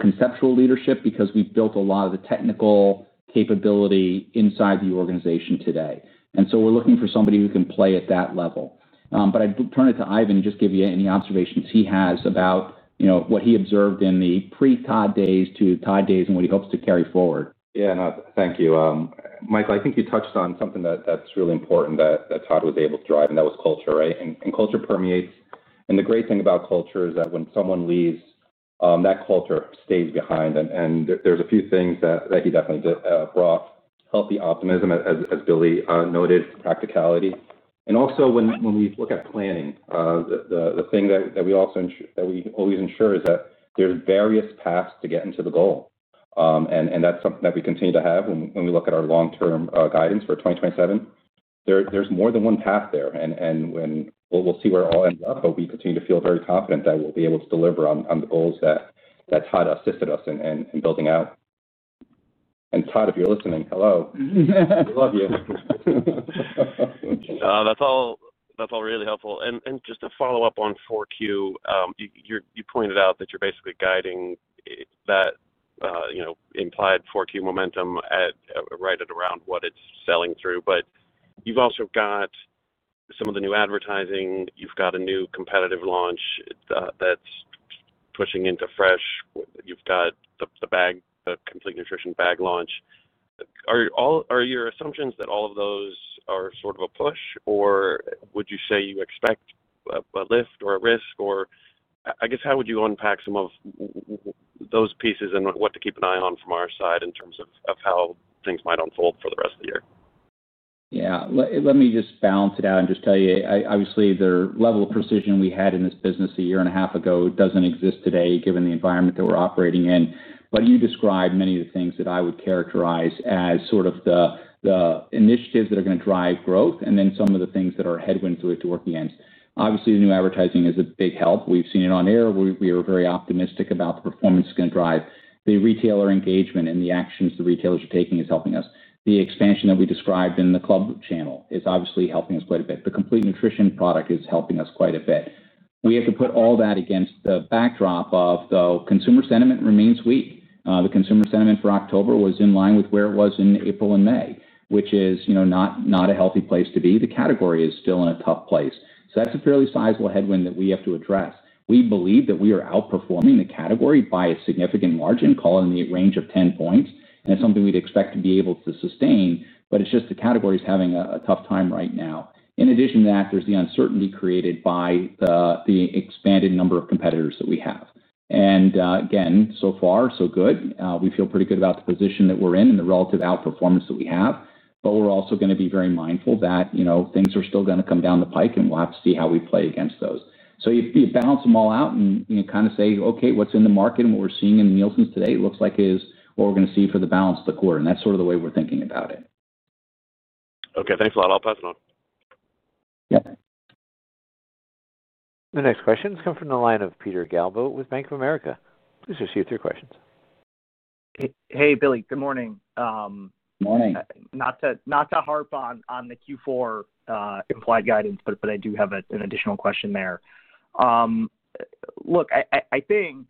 [SPEAKER 3] conceptual leadership because we've built a lot of the technical capability inside the organization today. We are looking for somebody who can play at that level. I'd turn it to Ivan and just give you any observations he has about what he observed in the pre-Todd days to Todd days and what he hopes to carry forward.
[SPEAKER 4] Yeah. No, thank you. Michael, I think you touched on something that's really important that Todd was able to drive, and that was culture, right? Culture permeates. The great thing about culture is that when someone leaves, that culture stays behind. There are a few things that he definitely brought: healthy optimism, as Billy noted, practicality. Also, when we look at planning, the thing that we always ensure is that there's various paths to get into the goal. That's something that we continue to have when we look at our long-term guidance for 2027. There's more than one path there. We'll see where it all ends up. We continue to feel very confident that we'll be able to deliver on the goals that Todd assisted us in building out. Todd, if you're listening, hello. We love you.
[SPEAKER 12] That's all really helpful. Just to follow up on 4Q, you pointed out that you're basically guiding that implied 4Q momentum right at around what it's selling through. You've also got some of the new advertising. You've got a new competitive launch that's pushing into fresh. You've got the Complete Nutrition Bag launch. Are your assumptions that all of those are sort of a push, or would you say you expect a lift or a risk? Or I guess, how would you unpack some of those pieces and what to keep an eye on from our side in terms of how things might unfold for the rest of the year?
[SPEAKER 3] Yeah. Let me just balance it out and just tell you, obviously, the level of precision we had in this business a year and a half ago does not exist today given the environment that we are operating in. But you described many of the things that I would characterize as sort of the initiatives that are going to drive growth and then some of the things that are a headwind to working against. Obviously, the new advertising is a big help. We have seen it on air. We are very optimistic about the performance it is going to drive. The retailer engagement and the actions the retailers are taking is helping us. The expansion that we described in the club channel is obviously helping us quite a bit. The complete nutrition product is helping us quite a bit. We have to put all that against the backdrop of the consumer sentiment remains weak. The consumer sentiment for October was in line with where it was in April and May, which is not a healthy place to be. The category is still in a tough place. That is a fairly sizable headwind that we have to address. We believe that we are outperforming the category by a significant margin, call it in the range of 10 points. It is something we would expect to be able to sustain. The category is having a tough time right now. In addition to that, there is the uncertainty created by the expanded number of competitors that we have. Again, so far, so good. We feel pretty good about the position that we are in and the relative outperformance that we have. We are also going to be very mindful that things are still going to come down the pike, and we will have to see how we play against those. You balance them all out and kind of say, "Okay, what is in the market and what we are seeing in Nielsen's today looks like is what we are going to see for the balance of the quarter." That is the way we are thinking about it.
[SPEAKER 12] Okay. Thanks a lot. I will pass it on.
[SPEAKER 3] Yep.
[SPEAKER 1] The next question has come from the line of Peter Galbo with Bank of America. Please proceed with your questions.
[SPEAKER 13] Hey, Billy. Good morning.
[SPEAKER 3] Good morning.
[SPEAKER 13] Not to harp on the Q4 implied guidance, but I do have an additional question there. Look, I think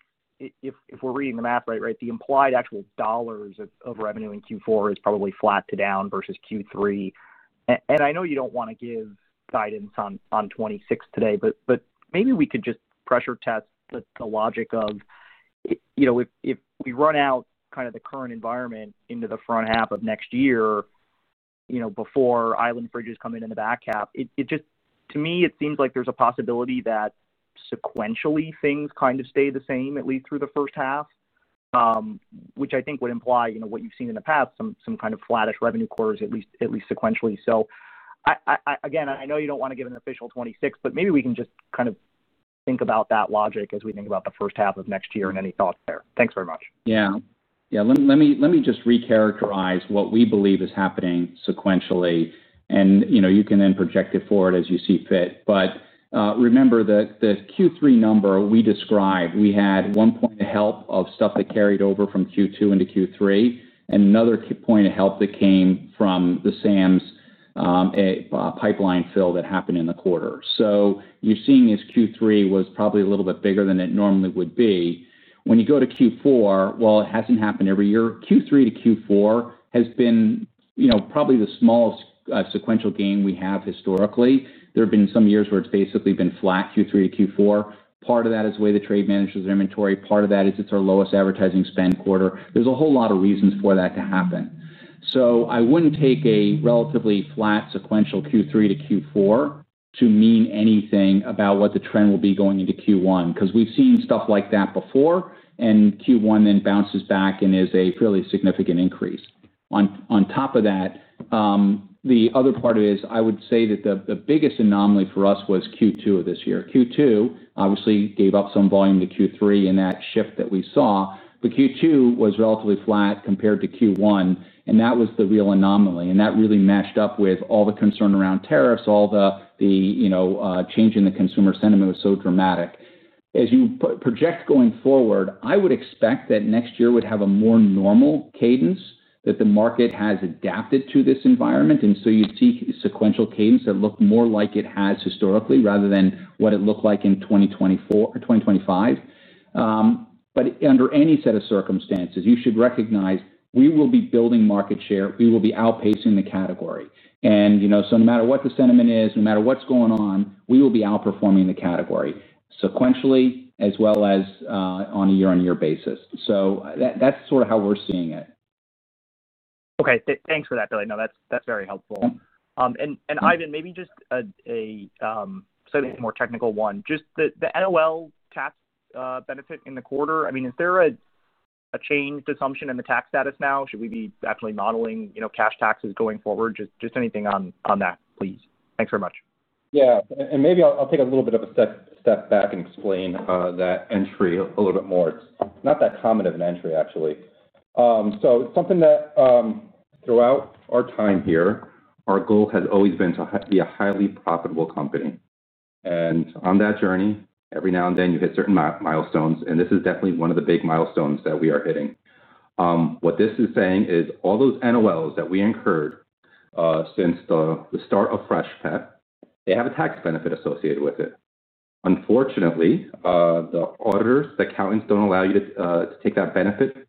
[SPEAKER 13] if we are reading the math right, the implied actual dollars of revenue in Q4 is probably flat to down versus Q3. I know you don't want to give guidance on 2026 today, but maybe we could just pressure test the logic of. If we run out kind of the current environment into the front half of next year. Before Fridge Island is coming into the back half, to me, it seems like there's a possibility that. Sequentially things kind of stay the same, at least through the first half. Which I think would imply what you've seen in the past, some kind of flattish revenue quarters, at least sequentially. Again, I know you don't want to give an official 2026, but maybe we can just kind of think about that logic as we think about the first half of next year and any thoughts there. Thanks very much.
[SPEAKER 3] Yeah. Let me just re-characterize what we believe is happening sequentially. You can then project it forward as you see fit. Remember the Q3 number we described, we had one point of help of stuff that carried over from Q2 into Q3 and another point of help that came from the Sam’s pipeline fill that happened in the quarter. You are seeing as Q3 was probably a little bit bigger than it normally would be. When you go to Q4, while it hasn't happened every year, Q3 to Q4 has been probably the smallest sequential gain we have historically. There have been some years where it's basically been flat Q3 to Q4. Part of that is the way the trade manages their inventory. Part of that is it's our lowest advertising spend quarter. There are a whole lot of reasons for that to happen. I wouldn't take a relatively flat sequential Q3 to Q4 to mean anything about what the trend will be going into Q1 because we've seen stuff like that before, and Q1 then bounces back and is a fairly significant increase. On top of that, the other part is I would say that the biggest anomaly for us was Q2 of this year. Q2 obviously gave up some volume to Q3 in that shift that we saw. Q2 was relatively flat compared to Q1. That was the real anomaly. That really meshed up with all the concern around tariffs, all the change in the consumer sentiment was so dramatic. As you project going forward, I would expect that next year would have a more normal cadence, that the market has adapted to this environment. You would see sequential cadence that looked more like it has historically rather than what it looked like in 2024 or 2025. Under any set of circumstances, you should recognize we will be building market share. We will be outpacing the category. No matter what the sentiment is, no matter what's going on, we will be outperforming the category sequentially as well as on a year-on-year basis. That's sort of how we're seeing it.
[SPEAKER 13] Okay. Thanks for that, Billy. No, that's very helpful. Ivan, maybe just a slightly more technical one. Just the NOL tax benefit in the quarter, I mean, is there a change to assumption in the tax status now? Should we be actually modeling cash taxes going forward? Just anything on that, please. Thanks very much.
[SPEAKER 4] Yeah. Maybe I'll take a little bit of a step back and explain that entry a little bit more. It's not that common of an entry, actually. Throughout our time here, our goal has always been to be a highly profitable company. On that journey, every now and then, you hit certain milestones. This is definitely one of the big milestones that we are hitting. What this is saying is all those NOLs that we incurred since the start of Freshpet, they have a tax benefit associated with it. Unfortunately, the auditors, the accountants do not allow you to take that benefit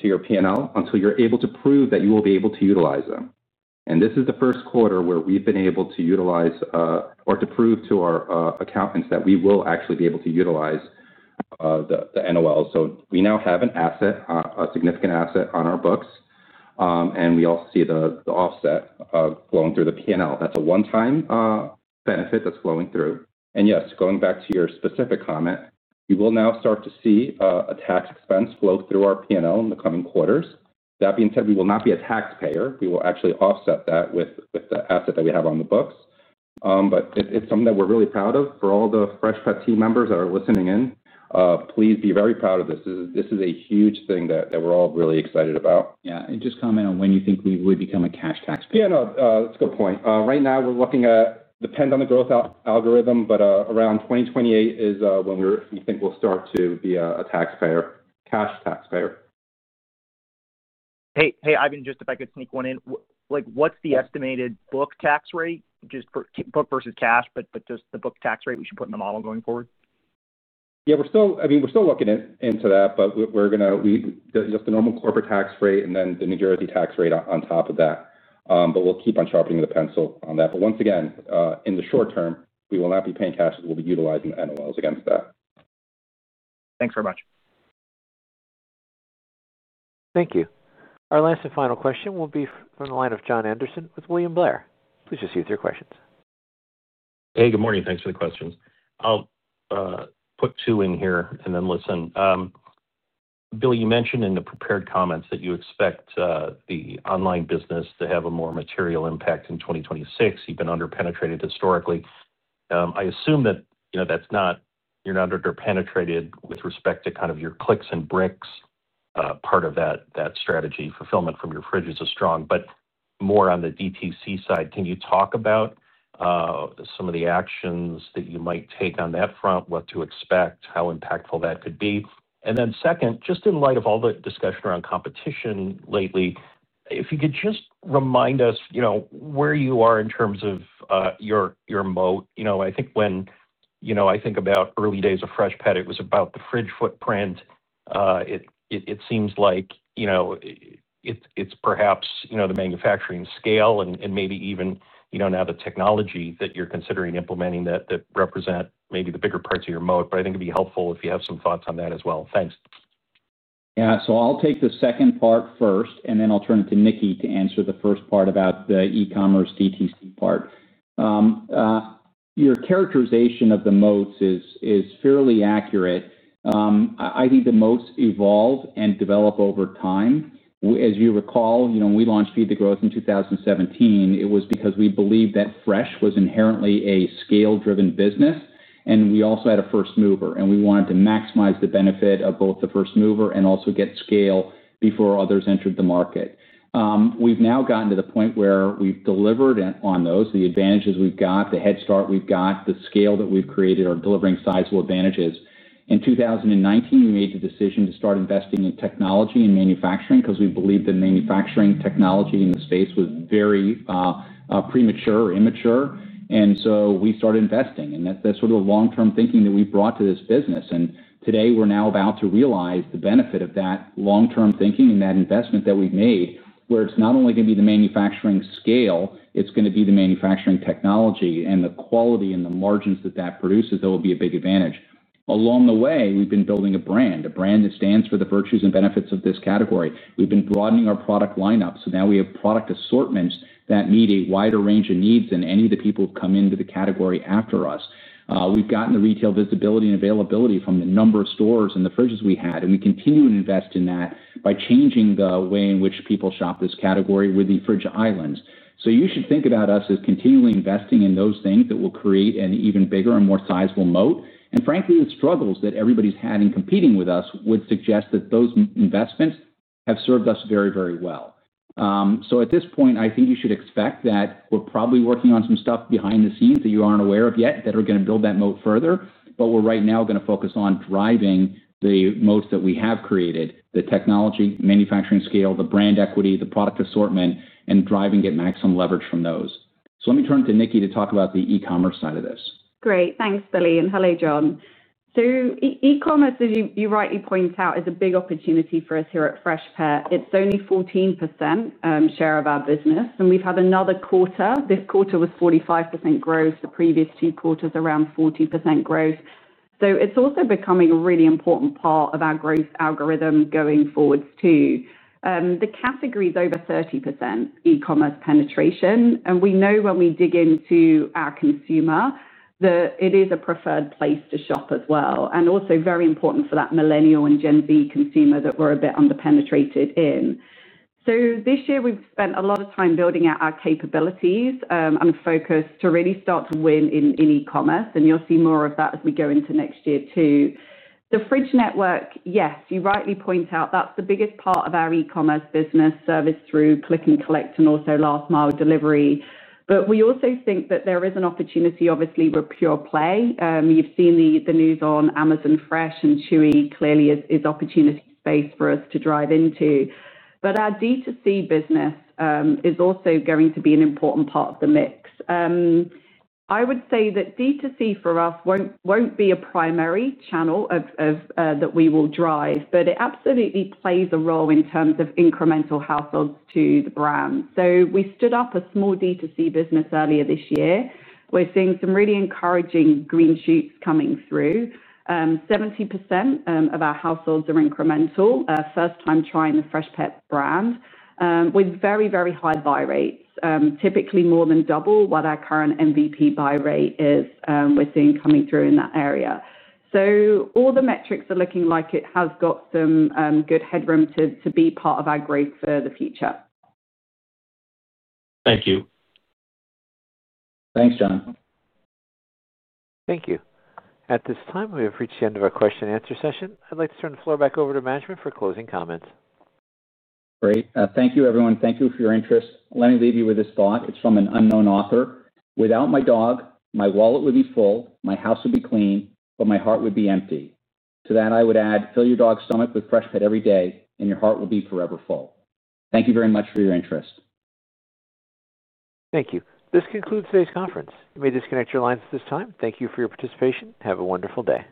[SPEAKER 4] to your P&L until you're able to prove that you will be able to utilize them. This is the first quarter where we've been able to utilize or to prove to our accountants that we will actually be able to utilize the NOL. We now have a significant asset on our books. We also see the offset flowing through the P&L. That's a one-time benefit that's flowing through. Yes, going back to your specific comment, we will now start to see a tax expense flow through our P&L in the coming quarters. That being said, we will not be a taxpayer. We will actually offset that with the asset that we have on the books. It's something that we're really proud of. For all the Freshpet team members that are listening in, please be very proud of this. This is a huge thing that we're all really excited about.
[SPEAKER 3] Yeah. Just comment on when you think we would become a cash taxpayer.
[SPEAKER 4] Yeah. No, that's a good point. Right now, we're looking at, depends on the growth algorithm, but around 2028 is when we think we'll start to be a taxpayer, cash taxpayer.
[SPEAKER 13] Hey, Ivan, just if I could sneak one in, what's the estimated book tax rate, just book versus cash, but just the book tax rate we should put in the model going forward?
[SPEAKER 4] Yeah. I mean, we're still looking into that, but we're going to use just the normal corporate tax rate and then the New Jersey tax rate on top of that. We'll keep on sharpening the pencil on that. Once again, in the short term, we will not be paying cash. We'll be utilizing the NOLs against that.
[SPEAKER 13] Thanks very much.
[SPEAKER 1] Thank you. Our last and final question will be from the line of Jon Andersen with William Blair. Please just use your questions.
[SPEAKER 14] Hey, good morning. Thanks for the questions. I'll put two in here and then listen. Billy, you mentioned in the prepared comments that you expect the online business to have a more material impact in 2026. You've been underpenetrated historically. I assume that. You're not underpenetrated with respect to kind of your clicks and bricks part of that strategy. Fulfillment from your fridge is strong, but more on the DTC side. Can you talk about some of the actions that you might take on that front, what to expect, how impactful that could be? And then second, just in light of all the discussion around competition lately, if you could just remind us where you are in terms of your moat. I think when I think about early days of Freshpet, it was about the fridge footprint. It seems like it's perhaps the manufacturing scale and maybe even now the technology that you're considering implementing that represent maybe the bigger parts of your moat. But I think it'd be helpful if you have some thoughts on that as well. Thanks.
[SPEAKER 3] Yeah. So I'll take the second part first, and then I'll turn it to Nicki to answer the first part about the e-commerce DTC part. Your characterization of the moats is fairly accurate. I think the moats evolve and develop over time. As you recall, when we launched Feed the Growth in 2017, it was because we believed that fresh was inherently a scale-driven business. And we also had a first mover. And we wanted to maximize the benefit of both the first mover and also get scale before others entered the market. We've now gotten to the point where we've delivered on those. The advantages we've got, the head start we've got, the scale that we've created are delivering sizable advantages. In 2019, we made the decision to start investing in technology and manufacturing because we believed that manufacturing technology in the space was very premature or immature. And so we started investing. And that's sort of the long-term thinking that we brought to this business. And today, we're now about to realize the benefit of that long-term thinking and that investment that we've made, where it's not only going to be the manufacturing scale, it's going to be the manufacturing technology and the quality and the margins that that produces that will be a big advantage. Along the way, we've been building a brand, a brand that stands for the virtues and benefits of this category. We've been broadening our product lineup. So now we have product assortments that meet a wider range of needs than any of the people who've come into the category after us. We've gotten the retail visibility and availability from the number of stores and the fridges we had. And we continue to invest in that by changing the way in which people shop this category with the Fridge Islands. You should think about us as continually investing in those things that will create an even bigger and more sizable moat. Frankly, the struggles that everybody's had in competing with us would suggest that those investments have served us very, very well. At this point, I think you should expect that we're probably working on some stuff behind the scenes that you aren't aware of yet that are going to build that moat further. We are right now going to focus on driving the moats that we have created, the technology, manufacturing scale, the brand equity, the product assortment, and driving maximum leverage from those. Let me turn it to Nicki to talk about the e-commerce side of this.
[SPEAKER 6] Great. Thanks, Billy. Hello, Jon. E-commerce, as you rightly point out, is a big opportunity for us here at Freshpet. It's only 14% share of our business. We've had another quarter. This quarter was 45% growth. The previous two quarters, around 40% growth. It's also becoming a really important part of our growth algorithm going forward too. The category is over 30% e-commerce penetration. We know when we dig into our consumer, it is a preferred place to shop as well and also very important for that Millennial and Gen Z consumer that we're a bit underpenetrated in. This year, we've spent a lot of time building out our capabilities and focus to really start to win in e-commerce. You'll see more of that as we go into next year too. The fridge network, yes, you rightly point out, that's the biggest part of our e-commerce business, serviced through click and collect and also last-mile delivery. We also think that there is an opportunity, obviously, with pure play. You've seen the news on Amazon Fresh, and Chewy clearly is opportunity space for us to drive into. Our D2C business is also going to be an important part of the mix. I would say that D2C for us won't be a primary channel that we will drive, but it absolutely plays a role in terms of incremental households to the brand. We stood up a small D2C business earlier this year. We're seeing some really encouraging green shoots coming through. 70% of our households are incremental, first-time trying the Freshpet brand, with very, very high buy rates, typically more than double what our current MVP buy rate is we're seeing coming through in that area. All the metrics are looking like it has got some good headroom to be part of our growth for the future.
[SPEAKER 14] Thank you.
[SPEAKER 3] Thanks, Jon.
[SPEAKER 1] Thank you. At this time, we have reached the end of our question-and-answer session. I'd like to turn the floor back over to management for closing comments.
[SPEAKER 3] Great. Thank you, everyone. Thank you for your interest. Let me leave you with this thought. It's from an unknown author. Without my dog, my wallet would be full, my house would be clean, but my heart would be empty. To that, I would add, "Fill your dog's stomach with Freshpet every day, and your heart will be forever full." Thank you very much for your interest.
[SPEAKER 1] Thank you. This concludes today's conference. You may disconnect your lines at this time. Thank you for your participation. Have a wonderful day.